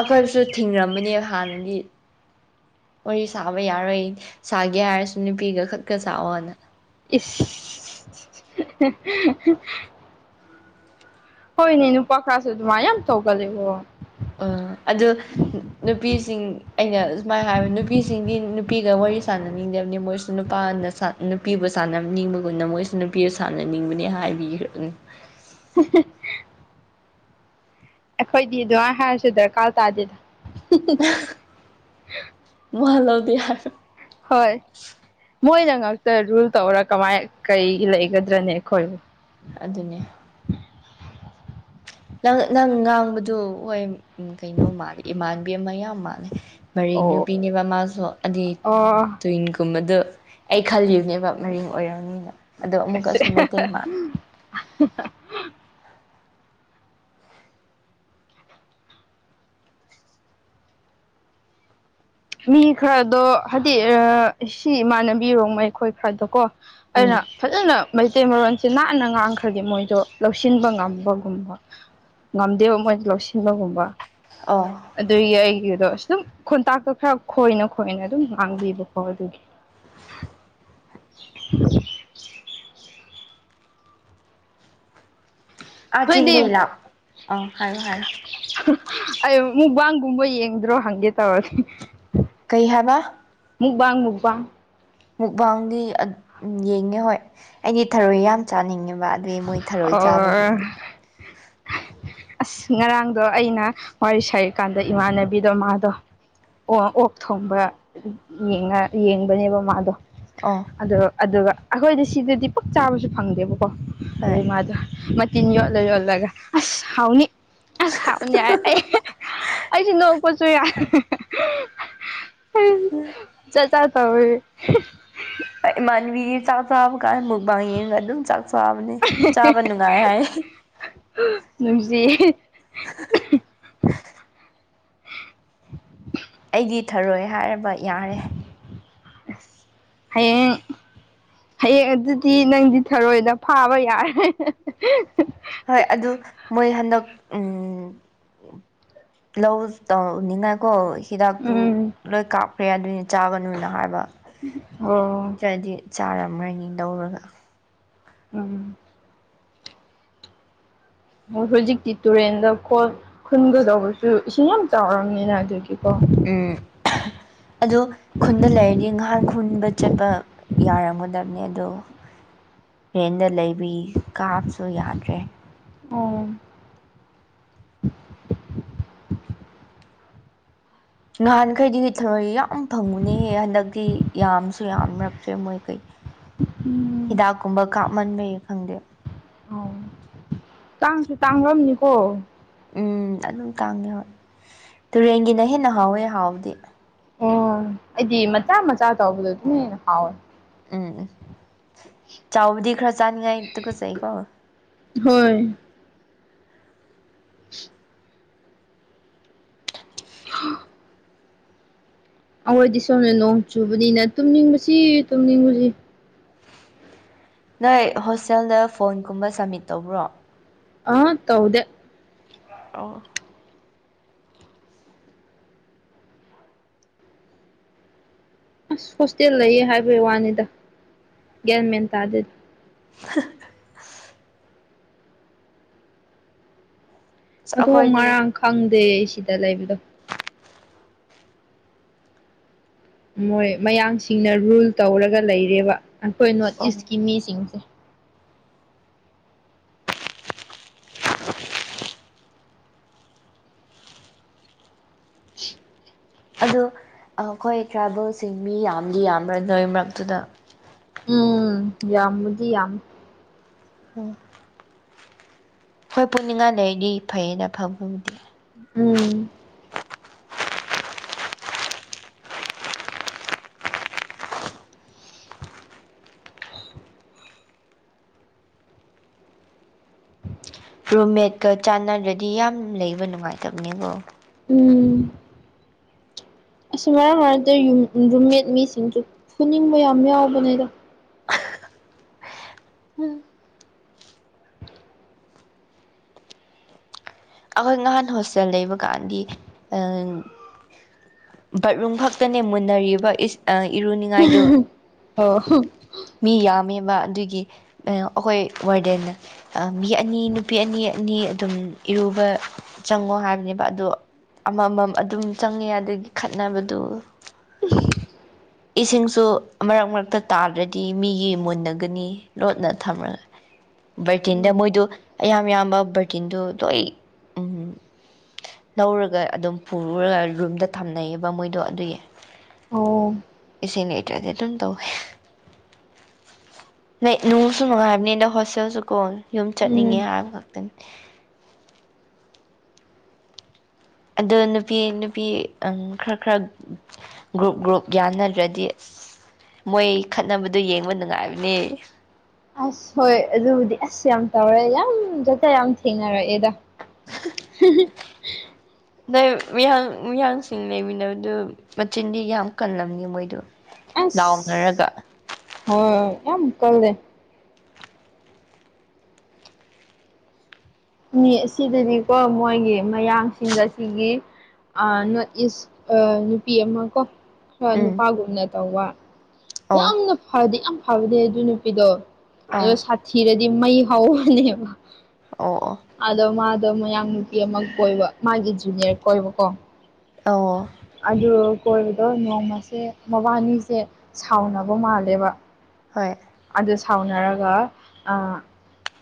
ꯑꯩꯈꯣꯏꯕꯨꯁꯨ ꯊꯤꯡꯔꯝꯕꯅꯦꯕ ꯍꯥꯟꯅꯒꯤ ꯋꯥꯔꯤ ꯁꯥꯕ ꯌꯥꯔꯣꯏ ꯁꯥꯒꯦ ꯍꯥꯏꯔꯁꯨ ꯅꯨꯄꯤꯒ ꯈꯠꯀ ꯁꯥꯥꯛꯑꯣꯅ ꯏ ꯍꯣꯏꯅꯦ ꯅꯨꯄꯥ ꯈꯔꯁꯨ ꯑꯗꯨꯃꯥꯏꯅ ꯌꯥꯝ ꯇꯧꯒꯂꯦꯕꯣ ꯑ ꯑꯗꯨ ꯅꯨꯄꯤꯁꯤꯡ ꯑꯩꯅ ꯁꯨꯃꯥꯏꯅ ꯍꯥꯏꯕ ꯅꯨꯄꯤꯁꯤꯡꯗꯤ ꯅꯨꯄꯤꯒ ꯋꯥꯔꯤ ꯁꯥꯟꯅꯅꯤꯡꯗꯕꯅꯤ ꯃꯣꯏꯁꯨ ꯅꯨꯄꯥꯅ ꯅꯨꯄꯤꯕꯨ ꯁꯥꯟꯅꯅꯤꯡꯕꯒꯨꯝꯅ ꯃꯣꯏꯁꯨ ꯅꯨꯄꯤꯗ ꯁꯥꯟꯅꯅꯤꯡꯕꯅꯦ ꯍꯥꯏꯕꯤꯈ꯭ꯔ [unintelligible] ꯑꯩꯈꯣꯏꯗꯤ ꯑꯗꯨꯃꯥꯏꯅ ꯍꯥꯏꯔꯁꯨ ꯗꯔꯀꯥꯔ ꯇꯥꯗꯦꯗ ꯃꯥꯜꯂ ꯂꯧꯗꯌꯥ ꯍꯣꯏ ꯃꯣꯏꯅ ꯉꯇ ꯔꯨꯜ ꯇꯧꯔ ꯀꯃꯥꯏ ꯀꯩ ꯂꯩꯒꯗ꯭ꯔꯅꯤ ꯑꯩꯈꯣꯏꯕꯨ ꯑꯗꯨꯅꯦ ꯅꯪ ꯅꯪ ꯉꯥꯡꯕꯗꯨ ꯍꯣꯏ ꯀꯩꯅꯣ ꯃꯥꯜꯂꯦ ꯏꯃꯥꯟꯕꯤ ꯑꯃ ꯌꯥꯝ ꯃꯥꯜꯂꯦ ꯃꯔꯦꯡ ꯑꯣ ꯅꯨꯄꯤꯅꯦꯕ ꯃꯥꯁꯨ ꯑꯗꯨꯗꯤ ꯑꯣ ꯇꯨꯋꯤꯟꯒꯨꯝꯕꯗ ꯑꯩ ꯈꯜꯂꯤꯕꯅꯦꯕ ꯃꯔꯤꯡ ꯑꯣꯏꯔꯝꯅꯤꯅ ꯑꯗꯣ ꯑꯃꯨꯛꯀꯁꯨ ꯃꯩꯇꯩ ꯃꯥꯂ ꯃꯤ ꯈꯔꯗꯣ ꯍꯥꯏꯗꯤ ꯁꯤ ꯏꯃꯥꯟꯅꯕꯤꯔꯣꯡꯕ ꯑꯩꯈꯣꯏ ꯈꯔꯗꯣ ꯀꯣ ꯑꯩꯅ ꯎꯝ ꯐꯖꯅ ꯃꯩꯇꯩ ꯃꯔꯣꯟꯁꯦ ꯅꯥꯟꯅ ꯉꯥꯡꯈ꯭ꯔꯗꯤ ꯃꯣꯏꯗꯣ ꯂꯧꯁꯤꯟꯕ ꯉꯝꯕꯒꯨꯝꯕ ꯉꯝꯗꯦꯕ ꯃꯣꯏꯗ ꯂꯧꯁꯤꯟꯕꯒꯨꯝꯕ ꯑꯣ ꯑꯗꯨꯒꯤ ꯑꯩꯒꯤꯗꯣ ꯁꯨꯝ ꯈꯨꯣꯟꯇꯥꯛꯇ ꯈꯔ ꯈꯣꯏꯅ ꯈꯣꯏꯅ ꯑꯗꯨꯝ ꯉꯥꯡꯕꯤꯕꯀꯣ ꯑꯗꯨꯗꯤ [inaudible] ꯑ ꯅꯣꯏꯗꯤ ꯆꯤꯡꯅ ꯂ ꯑꯣ ꯍꯥꯏꯔꯨ ꯍꯥꯏꯔ ꯑ ꯃꯨꯕꯥꯒꯨꯝꯕ ꯌꯦꯡꯗ꯭ꯔꯣ ꯍꯪꯦ ꯇꯋꯥꯁꯤꯦ ꯀꯩ ꯍꯥꯏꯕ ꯋꯥꯟ ꯃꯨꯛꯕꯥꯡꯗꯤ ꯌꯦꯡꯉꯦ ꯍꯣꯏ ꯑꯩꯗꯤ ꯊꯔꯣꯏ ꯌꯥꯝ ꯆꯥꯅꯤꯡꯉꯦꯕ ꯑꯗꯨ ꯃꯣꯏ ꯊꯔꯣꯏ ꯑꯣꯔ ꯆꯥꯕꯗꯨꯗꯤ ꯑꯁ ꯉꯔꯥꯡꯗꯣ ꯑꯩꯅ ꯋꯥꯔꯤ ꯁꯔꯤꯀꯥꯟꯗ ꯏꯃꯥꯟꯅꯕꯤꯗꯣ ꯃꯥꯗꯣ ꯑꯣ ꯑꯣꯛ ꯊꯣꯡꯕꯡꯉ ꯌꯦꯡꯕꯅꯦꯕ ꯃꯥꯗꯣ ꯑꯣ ꯑꯗꯣ ꯑꯗꯨꯒ ꯑꯩꯈꯣꯏꯗꯤ ꯁꯤꯗꯗꯤ ꯄꯛ ꯆꯥꯕꯁꯨ ꯐꯪꯗꯦꯕ ꯀ ꯍꯣꯏ ꯑꯗꯨꯗꯤ ꯃꯥꯗ ꯃ ꯏꯤꯟ ꯌꯣꯜꯂ ꯌꯣꯜꯂꯒ ꯑꯁ ꯍꯥꯎꯅꯤ ꯑꯁ ꯍꯥꯕꯅꯦꯏ ꯑꯩ ꯑꯩꯁꯨ ꯅ ꯀꯁꯨ ꯆꯖ ꯇꯥꯎꯋꯦ ꯃꯟꯕꯤꯔ ꯆ ꯁꯥꯕ ꯀꯥꯏ ꯃꯨꯛꯕꯥꯥꯡ ꯌꯦꯡꯒ ꯑꯗꯨꯝ ꯆꯥꯛ ꯆꯣꯛꯕꯅꯦ ꯆꯥꯕ ꯅꯨꯡꯉꯥꯏ ꯍꯥꯏ ꯁꯤ ꯑꯩꯗꯤ ꯊꯔꯣꯏ ꯍꯥꯏꯔꯕ ꯌꯥꯔꯦ ꯍꯌꯦꯡ ꯍꯌꯦꯡ ꯑꯗꯨꯗꯤ ꯅꯪꯗꯤ ꯊꯔꯣꯏꯗ ꯐꯥꯕ ꯌꯥꯔꯦ ꯍꯣꯏ ꯑꯗꯨ ꯃꯣꯏ ꯍꯟꯗꯛ ꯎ ꯂꯧ ꯇꯧꯅꯤꯡꯉꯥꯏ ꯀꯣ ꯍꯤꯗꯥꯛꯇꯨ ꯎꯝ ꯂꯣꯏ ꯀꯥꯞꯈ꯭ꯔꯦ ꯑꯗꯨꯏꯅꯤ ꯆꯥꯒꯅꯨꯅ ꯍꯥꯏꯕ ꯑꯣ ꯆꯥꯔꯝ꯭ꯔꯅꯤ ꯂꯧꯧꯔꯒ ꯎꯝ ꯍꯧꯖꯤꯛꯇꯤ ꯇꯨꯔꯦꯟꯗꯠ ꯈꯨꯟꯒꯗꯧꯕꯁꯨ ꯏꯁꯤꯡ ꯌꯥꯝ ꯆꯥꯎꯔꯕꯝꯅꯤꯅ ꯑꯗꯨꯒꯤꯀꯣ ꯎꯝ ꯑꯗꯣ ꯈꯨꯟꯗ ꯂꯩꯔꯗꯤ ꯉꯍꯥꯟ ꯈꯨꯟꯕ ꯆꯠꯄ ꯌꯥꯔꯝꯃꯨꯗꯕꯅꯦ ꯑꯗꯣ ꯍꯦꯟꯗ ꯂꯩꯕꯤ ꯀꯥꯞꯁꯨ ꯌꯥꯗ꯭ꯔꯦ ꯑꯣ ꯅꯍꯥꯟꯈꯩꯗꯤ ꯊꯔꯣꯏ ꯌꯥꯝ ꯐꯪꯉꯨꯅꯦꯍꯦ ꯍꯟꯗꯛꯇꯤ ꯌꯥꯝꯁꯨ ꯌꯥꯝꯔꯛꯇ꯭ꯔꯦ ꯃꯣꯏꯈꯩ [inaudible] ꯍꯤꯗꯥꯛ ꯀꯨꯝꯕ ꯀꯥꯞꯃꯟꯕꯩ ꯈꯪꯗꯦ ꯑꯣ ꯇꯥꯡꯁꯨ ꯇꯥꯡꯂꯝꯅꯤꯀꯣ ꯎꯝ ꯑꯗꯨꯝ ꯇꯥꯡꯉꯦ ꯍ ꯇꯨꯔꯦꯟꯒꯤꯅ ꯍꯦꯟꯅ ꯍꯥꯎꯋꯦ ꯍꯥꯎꯕꯗꯤ ꯑꯣ ꯑꯩꯗꯤ ꯃꯆꯥ ꯃꯆꯥ ꯇꯧꯕꯗꯣ ꯑꯗꯨꯝ ꯍꯦꯟꯅ ꯍꯥꯎꯋꯦ ꯎꯝ ꯆꯥꯎꯕꯗꯤ ꯈꯔ ꯆꯥꯅꯤꯡꯉꯥꯏ ꯑꯗꯨꯒꯒꯆꯩꯀꯣ ꯍꯣꯏ [inaudible] ꯍꯥ ꯑꯩꯈꯣꯏꯗꯤ ꯁꯣꯝꯅ ꯅꯣꯡ ꯆꯨꯕꯅꯤꯅ ꯇꯨꯝꯅꯤꯡꯕꯁꯤ ꯇꯨꯝꯅꯤꯡꯕꯁꯤ ꯅꯣꯏ ꯍꯣꯁꯇꯦꯜꯗ ꯐꯣꯟꯒꯨꯝꯕ ꯁꯝꯃꯤꯠ ꯇꯧꯕ꯭ꯔꯣ ꯑꯥ ꯇꯧꯗꯦ ꯑ [inaudible] [unintelligible] ꯑꯁ ꯍꯣꯁꯇꯦꯜ ꯂꯩꯌꯦ ꯍꯥꯏꯕꯒꯤ ꯋꯥꯅꯤꯗ ꯒ꯭ꯌꯥꯟ ꯃꯦꯟ ꯇꯥꯗꯗꯤ [unintelligible] [inaudible] ꯑꯁ ꯑꯗꯨ ꯑꯩꯈꯣꯏꯗꯤ ꯉꯔꯥꯡ ꯈꯪꯗꯦ ꯁꯤꯗ ꯂꯩꯕꯗꯣ ꯃꯣꯏ ꯃꯌꯥꯝꯡꯁꯤꯡꯅ ꯔꯨꯜ ꯇꯧꯔꯒ ꯂꯩꯔꯦꯕ ꯑꯩꯈꯣꯏ ꯅꯣꯔꯠ ꯑꯣ ꯏꯁꯀꯤ ꯃꯤꯁꯤꯡꯁꯦ [unintelligible] [inaudible] ꯑꯗꯨ ꯑꯩꯈꯣꯏ ꯇ꯭ꯔꯥꯏꯕꯦꯜꯁꯤꯡ ꯃꯤ ꯌꯥꯝꯗꯤ ꯌꯥꯝ꯭ꯔ ꯅꯣꯏ ꯃꯔꯛꯇꯨꯗ ꯎꯝ ꯌꯥꯝꯗꯤ ꯌꯥꯝꯝ ꯎꯝ [inaudible] [unintelligible] ꯍꯣꯏ ꯄꯨꯅꯤꯡꯉꯥꯏ ꯂꯩꯔꯤꯗꯤ ꯐꯩꯌꯦꯅ ꯐꯝ ꯐꯪꯗꯦ ꯎꯝ ꯑ [unintelligible] [inaudible] ꯔꯨꯝ ꯃꯦꯠꯀ ꯆꯥꯟꯅꯗ꯭ꯔꯗꯤ ꯌꯥꯝ ꯂꯩꯕ ꯅꯨꯡꯉꯥꯏꯇꯕꯅꯦꯕꯣ ꯎꯨ [unintelligible] [inaudible] ꯑꯁꯤꯁ ꯃꯔꯛ ꯃꯔꯛꯇ ꯔꯨꯝꯃꯦꯠ ꯃꯤꯁꯤꯡꯁꯨ ꯐꯨꯅꯤꯡꯕ ꯌꯥꯝ ꯌꯥꯎꯕꯅꯦꯗꯣ ꯑꯩꯈꯣꯏ ꯅꯍꯥꯟ ꯍꯣꯁꯇꯦꯜ ꯂꯩꯕ ꯀꯥꯟꯗꯤ ꯎ ꯕꯠꯔꯨꯝ ꯈꯛꯇꯅꯦ ꯃꯨꯟꯅꯔꯤꯕ ꯏꯔꯨꯅꯤꯡꯉꯥꯏꯗꯨ ꯑꯣ ꯃꯤ ꯌꯥꯝꯃꯤ ꯑꯗꯨꯒꯤ ꯑꯩꯈꯣꯏ ꯋꯥꯔꯗꯦꯟꯅ ꯃꯤ ꯑꯅꯤ ꯅꯨꯄꯤ ꯑꯅꯤ ꯑꯅꯤ ꯑꯗꯨꯝ ꯏꯔꯨꯕ ꯆꯪꯉꯣ ꯍꯥꯏꯕꯅꯦꯕ ꯑꯗꯣ ꯑꯃ ꯑꯃꯃꯝ ꯑꯗꯨꯝ ꯆꯪꯉꯦ ꯑꯗꯒꯤ ꯈꯠꯅꯕꯗꯨ ꯏꯁꯤꯡꯁꯨ ꯃꯔꯛ ꯃꯔꯛꯇ ꯇꯥꯗ꯭ꯔꯗꯤ ꯃꯤꯒꯤ ꯃꯨꯟꯅꯒꯅꯤ ꯂꯣꯠꯅ ꯊꯝꯃꯒ ꯕꯔꯇꯤꯟꯗ ꯃꯣꯏꯗꯨ ꯑꯌꯥꯝ ꯏꯌꯥꯝꯕ ꯕꯔꯇꯤꯟꯗꯨ ꯂꯣꯏ ꯎꯝꯝ ꯂꯧꯔꯒ ꯑꯗꯨꯝ ꯄꯨꯔꯨꯔꯒ ꯔꯨꯝꯗ ꯊꯝꯅꯩꯌꯦꯕ ꯃꯣꯏꯗꯣ ꯑꯗꯨꯒꯤ ꯑꯣ ꯏꯁꯤꯪ ꯂꯩꯠꯔꯗꯤ ꯑꯗꯨꯝ ꯇꯋꯦ ꯅ ꯅꯨꯡꯁꯨ ꯅꯨꯡꯉꯥꯏꯕꯅꯤ ꯑꯗ ꯍꯣꯁꯇꯦꯜꯁꯨ ꯀꯣ ꯌꯨꯝ ꯆꯠꯅꯤꯡꯉꯦ ꯎꯝ ꯍꯥꯏꯕ ꯈꯛꯇꯅꯤ [unintelligible] ꯑꯗ ꯅꯨꯄꯤ ꯅꯨꯄꯤ ꯈꯔ ꯈꯔ ꯒ꯭ꯔꯨꯞ ꯒ꯭ꯔꯨꯞ ꯌꯥꯅꯗ꯭ꯔꯗꯤꯁ ꯃꯣꯏ ꯈꯠꯅꯕꯗꯨ ꯌꯦꯡꯕ ꯅꯨꯡꯉꯥꯏꯕꯅꯦ ꯑꯁ ꯍꯣꯏ ꯑꯗꯨꯕꯨꯗꯤ ꯑꯁ ꯌꯥꯝ ꯇꯧꯔꯦ ꯌꯥꯝ ꯆꯠꯇ ꯌꯥꯝ ꯊꯦꯡꯅꯔꯛꯑꯦꯗ [unintelligible] [inaudible] ꯅꯣꯏ ꯃꯤꯌꯥ ꯃꯤꯌꯥꯡꯁꯤꯡ ꯂꯩꯃꯤꯟꯅꯕꯗꯨ ꯃꯆꯤꯟꯗꯤ ꯌꯥꯝ ꯀꯜꯂꯝꯅꯤ ꯃꯣꯏꯗꯨ ꯑꯁ ꯍꯣꯏ ꯌꯥꯝ ꯀꯜꯗ ꯑꯁꯤꯗꯗꯤꯀꯣ ꯃꯣꯏꯒꯤ ꯃꯌꯥꯡꯁꯤꯡꯗ ꯑꯁꯤꯒꯤꯒꯤ ꯅꯣꯔꯠ ꯏꯁ ꯅꯨꯄꯤ ꯑꯃ ꯀꯣ ꯎꯝ ꯅꯨꯄꯥꯒꯨꯝꯅ ꯇꯧꯕ ꯑꯣ ꯌꯥꯝꯅ ꯐꯗꯤ ꯌꯥꯝ ꯐꯕꯅꯦ ꯑꯗꯨ ꯅꯨꯄꯤꯗꯣ ꯑꯗꯣ ꯑꯥ ꯁꯥꯊꯤꯔꯗꯤ ꯃꯩ ꯍꯅꯦꯕ ꯑꯣ ꯑꯣ ꯑꯗꯣ ꯃꯥ ꯗ ꯃꯌꯥꯡ ꯅꯨꯄꯤ ꯑꯃ ꯀꯣꯏꯕ ꯃꯥꯒꯤ ꯖꯨꯅꯤꯌꯔ ꯀꯣꯏꯕꯀꯣ ꯑꯣ ꯑꯗꯨꯗ ꯀꯣꯏꯕꯗꯣ ꯅꯣꯡꯃꯁꯦ ꯃꯕꯥꯅꯤꯁꯦ ꯁꯥꯎꯅꯕ ꯃꯥꯜꯂꯦꯕ ꯍꯣꯏ ꯑꯗꯨ ꯁꯥꯎꯅꯔꯒ ꯑ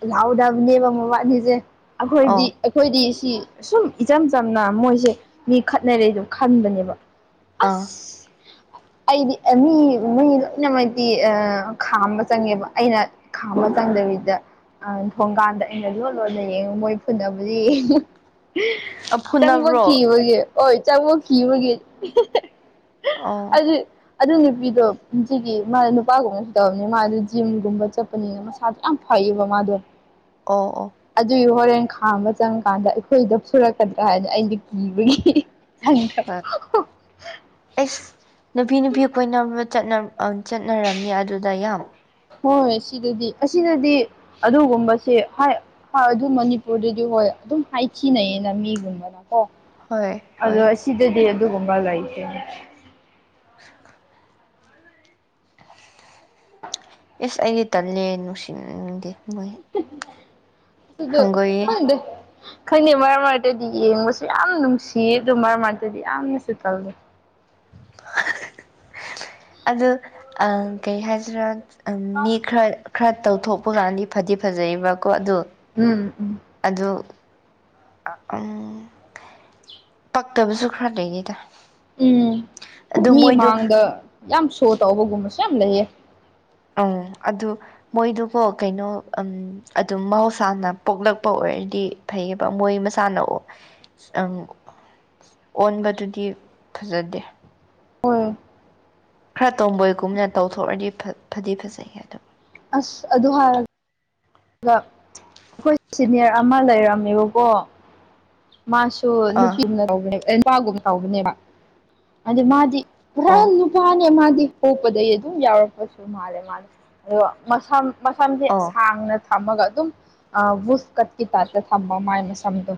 ꯂꯥꯎꯗꯕꯅꯦꯕ ꯃ ꯋꯥꯠꯂꯤꯁꯦ ꯑꯩꯈꯣꯏꯗꯤ ꯑꯣ ꯑꯩꯈꯣꯏꯗꯤ ꯁꯤ ꯁꯨꯝ ꯏꯆꯝ ꯆꯝꯅ ꯃꯣꯏꯁꯦ ꯃꯤ ꯈꯠꯅꯔꯦ ꯑꯗꯨ ꯈꯟꯕꯅꯦꯕ ꯑꯥ ꯑꯁ ꯑꯩꯗꯤ ꯃꯤ ꯃꯤꯣꯏ ꯂꯣꯏꯅꯃꯛꯗꯤ ꯑ ꯈꯥꯝꯝꯕ ꯆꯪꯉꯦꯕ ꯑꯩꯅ ꯈꯥꯝꯝꯕ ꯆꯪꯗꯕꯤꯗ ꯑ ꯊꯣꯡꯀꯥꯟꯗ ꯑꯩꯅ ꯂꯣꯟ ꯂꯣꯟꯂ ꯌꯦꯡꯉ ꯃꯣꯏ ꯐꯨꯅꯕꯗꯤ ꯐꯨꯅꯕ꯭ꯔꯣ ꯆꯪꯕꯈꯤꯕꯒꯦ ꯍꯣꯏ ꯆꯪꯕꯈꯤꯕꯒꯦ ꯑꯣ [inaudible] ꯑꯗꯨ ꯅꯨꯄꯤꯗꯣ ꯁꯤꯒꯤ ꯃꯥ ꯅꯨꯄꯥꯒꯨꯝꯕꯁꯨ ꯇꯕꯅꯤ ꯃꯥꯗ ꯖꯤꯝꯒꯨꯝꯕ ꯆꯠꯄꯅꯤꯅ ꯃꯁꯥꯁꯨ ꯌꯥꯝ ꯐꯩꯌꯦꯕ ꯃꯥꯗꯣ ꯑꯣ ꯑꯣ ꯑꯗꯨꯗ ꯍꯣꯔꯦꯟ ꯈꯥꯝꯕ ꯆꯪꯉ ꯀꯥꯟꯗ ꯑꯩꯈꯣꯏꯗ ꯁꯨꯔꯛꯀꯗ꯭ꯔꯥ ꯍꯥꯏꯅ ꯑꯩꯁꯨ ꯀꯤꯕꯒꯤ ꯍꯣꯏ ꯆꯪꯗꯕ ꯑꯩꯁ ꯅꯨꯄꯤ ꯅꯨꯄꯤ ꯀꯣꯏꯅ ꯆꯠꯅꯔꯝꯅꯤ ꯑꯗꯨꯗ ꯌꯥꯝ ꯍꯣꯏ ꯁꯤꯗꯗꯤ ꯑꯁꯤꯅꯗꯤ ꯑꯗꯨꯒꯨꯝꯕꯁꯦ ꯑꯗꯨ ꯃꯅꯤꯄꯨꯔꯗꯗꯤ ꯍꯣꯏ ꯑꯗꯨꯝ ꯍꯥꯏꯊꯤꯅꯩꯌꯦꯅ ꯃꯤꯒꯨꯝꯕꯅ ꯑꯣ ꯍꯣꯏ ꯑꯗꯣ ꯍꯣꯏ ꯑꯁꯤꯗꯗꯤ ꯑꯗꯨꯒꯨꯝꯕ ꯂꯩꯇꯦꯅꯦ [unintelligible] ꯏꯁ ꯑꯩꯗꯤ ꯇꯜꯂꯦ ꯅꯨꯡꯁꯤꯅꯤꯡꯗꯦ ꯃꯣꯏ [unintelligible] ꯑꯗꯨ ꯑꯗꯨ ꯍꯪꯒꯣꯏꯌꯦ ꯍꯗꯦ ꯈꯪꯅꯩ ꯃꯔꯛ ꯃꯔꯛꯇꯗꯤ ꯌꯦꯡꯕꯁꯨ ꯌꯥꯝ ꯅꯨꯡꯁꯤꯌꯦ ꯑꯗꯨ ꯃꯔꯛ ꯃꯔꯛꯇꯗꯤ ꯌꯥꯝꯅꯁꯨ ꯀꯜꯂꯤ [unintelligible] ꯑ ꯀꯩ ꯍꯥꯏꯁꯤꯔꯥ ꯃꯤ ꯈꯔ ꯈꯔ ꯇꯧꯊꯣꯛꯄ ꯀꯥꯟꯗꯤ ꯐꯗꯤ ꯐꯖꯩꯕꯀꯣ ꯑꯗꯣ ꯎꯝ ꯎꯝ ꯑꯗꯨ ꯎꯝ ꯄꯛꯇꯕꯁꯨ ꯈꯔ ꯂꯩꯅꯤꯗ ꯎꯝ ꯃꯤ ꯃꯥꯡꯗ ꯌꯥꯝ ꯁꯣ ꯇꯧꯕꯒꯨꯝꯕꯁꯨ ꯌꯥꯝ ꯂꯩꯌꯦ ꯎꯝ ꯑꯗꯨ ꯃꯣꯏꯗꯨꯕꯨꯣ ꯀꯩꯅꯣꯝ ꯑꯗꯨꯝ ꯃꯍꯧꯁꯥꯅ ꯄꯣꯛꯂꯛꯄ ꯑꯣꯏ ꯑꯣꯏꯔꯗꯤ ꯐꯩꯌꯦꯕ ꯃꯣꯏ ꯃꯁꯥꯟꯅꯑꯣ ꯑꯪ ꯑꯣꯟꯕꯗꯨꯗꯤ ꯐꯖꯗꯦ ꯍꯣꯏ ꯈꯔ ꯇꯣꯝꯕꯣꯏꯒꯨꯝꯅ ꯇꯧꯊꯣꯛꯑꯗꯤ ꯐꯗꯤ ꯐꯖꯩ ꯑꯗꯨꯕꯨ ꯑꯁ ꯑꯗꯨ ꯍꯥꯏꯔꯒꯦ ꯑꯗꯨꯒ ꯑꯩꯈꯣꯏ ꯁꯤꯅꯤꯌꯔ ꯑꯃ ꯂꯩꯔꯝꯃꯦꯕꯀꯣ ꯃꯥꯁꯨ ꯑꯥ ꯅꯨꯄꯤꯒꯨꯝꯅ ꯇꯧꯕꯅꯦꯕ ꯅꯨꯄꯥꯒꯨꯝꯅ ꯇꯧꯕꯅꯦꯕ ꯑꯗꯨ ꯃꯥꯗꯤ ꯔꯜ ꯑꯣ ꯅꯨ ꯐꯅꯦ ꯃꯥꯗꯤ ꯄꯣꯛꯄꯗꯒꯤ ꯑꯗꯨꯝ ꯌꯥꯎꯔꯛꯄꯁꯨ ꯃꯥꯜꯂꯦ ꯃꯥꯂ ꯑꯗꯨꯒ ꯃꯁꯝ ꯃꯁꯝꯁꯦ ꯑꯣ ꯁꯥꯡꯅ ꯊꯝꯃꯒ ꯑꯗꯨꯝ ꯑ ꯋꯨꯐ ꯀꯠꯈꯤ ꯇꯥꯗ ꯊꯝꯕ ꯃꯥꯏ ꯃꯁꯝꯗꯣ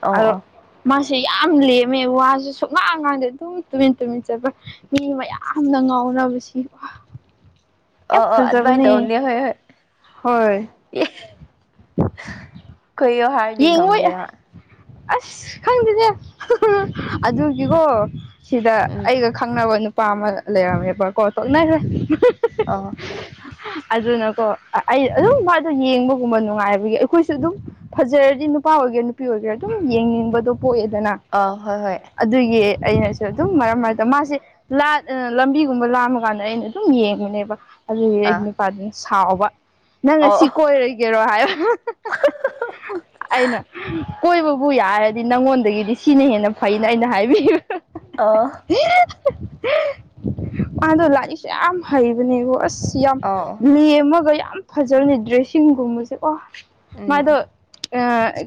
ꯑꯣ ꯑꯗꯣ ꯑꯣ ꯃꯥ ꯁꯤ ꯌꯥꯝ ꯂꯦꯝꯃꯦ ꯋꯥꯁꯨ ꯁꯨ ꯉꯥꯡꯀꯥꯟꯗ ꯑꯗꯨꯝ ꯇꯨꯃꯤꯟ ꯇꯨꯃꯤꯟ ꯆꯠꯄ ꯃꯤ ꯃꯌꯥꯝꯅ ꯉꯥꯎꯋꯦ ꯌꯥꯝ ꯑꯣ ꯑꯣ ꯑꯗꯨꯃꯥꯏꯅ ꯐꯖꯕꯅꯦ ꯇꯧꯅꯦ ꯍꯣꯏ ꯍꯣꯏ ꯍꯣꯏ ꯀꯣꯏꯣ ꯍꯔꯗꯤꯛ ꯌꯦꯡꯕꯩ ꯈꯝꯕꯤꯔ ꯍꯥ ꯑꯁ ꯈꯪꯗꯅꯦ ꯑꯗꯨꯒꯤꯀꯣ ꯁꯤꯗ ꯎꯝ ꯑꯩꯒ ꯈꯪꯅꯕ ꯅꯨꯄꯥ ꯑꯃ ꯂꯩꯔꯝꯃꯦꯕꯀꯣ ꯇꯣꯛꯅꯈꯔꯦ ꯑ ꯑꯗꯨꯅꯀꯣ ꯑꯩ ꯑꯗꯨꯝ ꯃꯥꯗꯣ ꯌꯦꯡꯕꯒꯨꯝꯕ ꯅꯨꯡꯉꯥꯏꯕꯒꯤ ꯑꯩꯈꯣꯏꯁꯨ ꯑꯗꯨꯝ ꯐꯖꯔꯗꯤ ꯅꯨꯄꯥ ꯑꯣꯏꯒꯦꯔꯥ ꯅꯨꯄꯤ ꯑꯣꯏꯒꯦꯔꯥ ꯑꯗꯨꯝ ꯌꯦꯡꯅꯤꯡꯕꯗꯣ ꯄꯣꯛꯑꯦꯗꯅ ꯑ ꯍꯣꯏ ꯍꯣꯏ ꯑꯗꯨꯒꯤ ꯑꯩꯅꯁꯨ ꯑꯗꯨꯝ ꯃꯔꯝ ꯃꯔꯛꯇ ꯃꯥꯁꯦ ꯂꯝꯕꯤꯒꯨꯝꯕ ꯂꯥꯃ ꯀꯥꯟꯗ ꯑꯩꯅ ꯑꯗꯨꯝ ꯌꯦꯡꯕꯅꯦꯕ ꯑꯗꯨꯗꯤ ꯑꯩꯒꯤ ꯑꯥ ꯅꯨꯄꯥꯗꯨꯅ ꯁꯥꯎꯕ ꯅꯪ ꯉꯁꯤ ꯑꯣ ꯀꯣꯏꯔꯒꯦꯔꯣ ꯍꯥꯏꯌꯣ ꯑꯩꯅ ꯀꯣꯏꯕꯕꯨ ꯌꯥꯔꯗꯤ ꯅꯪꯉꯣꯟꯗꯒꯤꯗꯤ ꯁꯤꯅ ꯍꯦꯟꯅ ꯐꯩꯅ ꯑꯩꯅ ꯍꯥꯏꯕꯤ ꯑꯥ ꯃꯥꯗꯣ ꯂꯥꯏꯏꯁꯨ ꯌꯥꯝ ꯍꯩꯕꯅꯦꯕꯣ ꯑꯁ ꯁꯤ ꯌꯥꯝ ꯑꯣ ꯂꯦꯝꯃꯒ ꯌꯥꯝ ꯐꯖꯜꯂꯤ ꯗ꯭ꯔꯦꯁꯤꯡꯒꯨꯝꯕꯁꯦ ꯑꯣ ꯃꯥꯗꯣ ꯎꯝ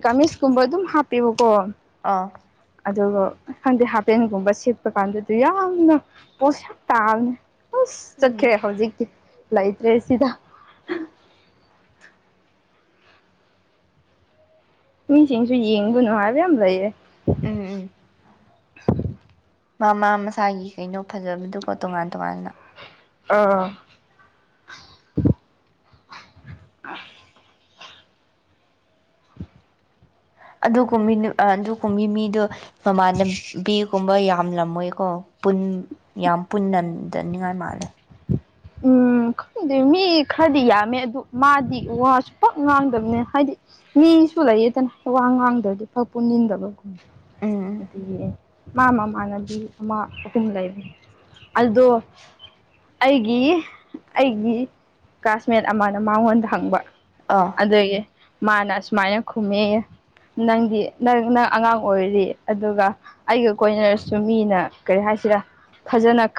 ꯀꯥꯃꯤꯁꯀꯨꯝꯕ ꯑꯗꯨꯝ ꯍꯥꯞꯄꯦꯕꯀꯣ ꯑꯥ ꯑꯗꯨꯒ ꯈꯪꯗꯦ ꯍꯥꯄꯦꯟꯒꯨꯝꯕ ꯁꯦꯠꯄ ꯀꯥꯟꯗꯗꯤ ꯌꯥꯝꯅ ꯄꯣꯁ ꯌꯥꯝꯇꯥꯕꯅꯤ ꯑꯁ ꯎꯝ ꯆꯠꯈ꯭ꯔꯦ ꯍꯧꯖꯤꯛꯇꯤ ꯂꯩꯇ꯭ꯔꯦ ꯁꯤꯗ ꯃꯤꯁꯤꯡꯁꯨ ꯌꯦꯡꯒꯅꯨ ꯍꯥꯏꯕ ꯌꯥꯝ ꯂꯩꯌꯦ ꯎꯝ [unintelligible] ꯃꯃꯥ ꯃꯁꯥꯒꯤ ꯀꯩꯅꯣ ꯐꯖꯕꯗꯨꯀꯣ ꯇꯣꯉꯥꯟ ꯇꯣꯉꯥꯟꯅ ꯑꯥ ꯑ ꯑꯗꯨꯒꯨꯝ ꯑꯗꯨꯒꯨꯝꯒꯤ ꯃꯤꯗꯣ ꯃꯃꯥꯟꯅꯕꯤꯒꯨꯝꯕ ꯌꯥꯎ ꯊꯝꯂꯝꯃꯣꯏꯀꯣ ꯌꯥꯝ ꯄꯨꯟꯅꯗꯅꯤꯡꯉꯥꯏ ꯃꯥꯜꯂꯦ ꯎꯝ ꯈꯪꯗꯦ ꯃꯤ ꯈꯔꯗꯤ ꯌꯥꯝꯃꯦ ꯑꯗꯨ ꯃꯥꯗꯤ ꯋꯥꯁꯨ ꯄꯛ ꯉꯥꯡꯗꯕꯅꯦ ꯍꯥꯏꯗꯤ ꯃꯤꯁꯨ ꯂꯩꯌꯦꯗꯅ ꯋꯥꯡ ꯋꯥꯡꯗ꯭ꯔꯗꯤ ꯐꯛ ꯄꯨꯅꯤꯡꯟꯗꯕꯒꯨꯝ ꯎꯝ ꯑꯗꯨ ꯌꯦ ꯃꯥ ꯃꯥꯃꯥꯟꯅꯕꯤ ꯑꯃ ꯑꯍꯨꯝ ꯂꯩꯕꯅꯤ ꯑꯗꯨꯗꯣ ꯑꯩ ꯒꯤ ꯑꯩꯒꯤ ꯀ꯭ꯂꯥꯁꯃꯦꯠ ꯑꯃꯅ ꯃꯉꯣꯟꯗ ꯍꯪꯕ ꯑꯥ ꯑꯗꯨꯒꯤ ꯃꯥꯅ ꯑꯁꯨꯃꯥꯏꯅ ꯈꯨꯝꯃꯦꯌꯦ ꯅꯪꯗꯤ ꯅꯪ ꯅꯪ ꯑꯉꯥꯡ ꯑꯣꯏꯔꯤ ꯑꯗꯨꯒ ꯑꯩꯒ ꯀꯣꯏꯅꯔꯁꯨ ꯃꯤꯅ ꯀꯔꯤ ꯍꯥꯏ ꯁꯤꯔ ꯐꯖꯅ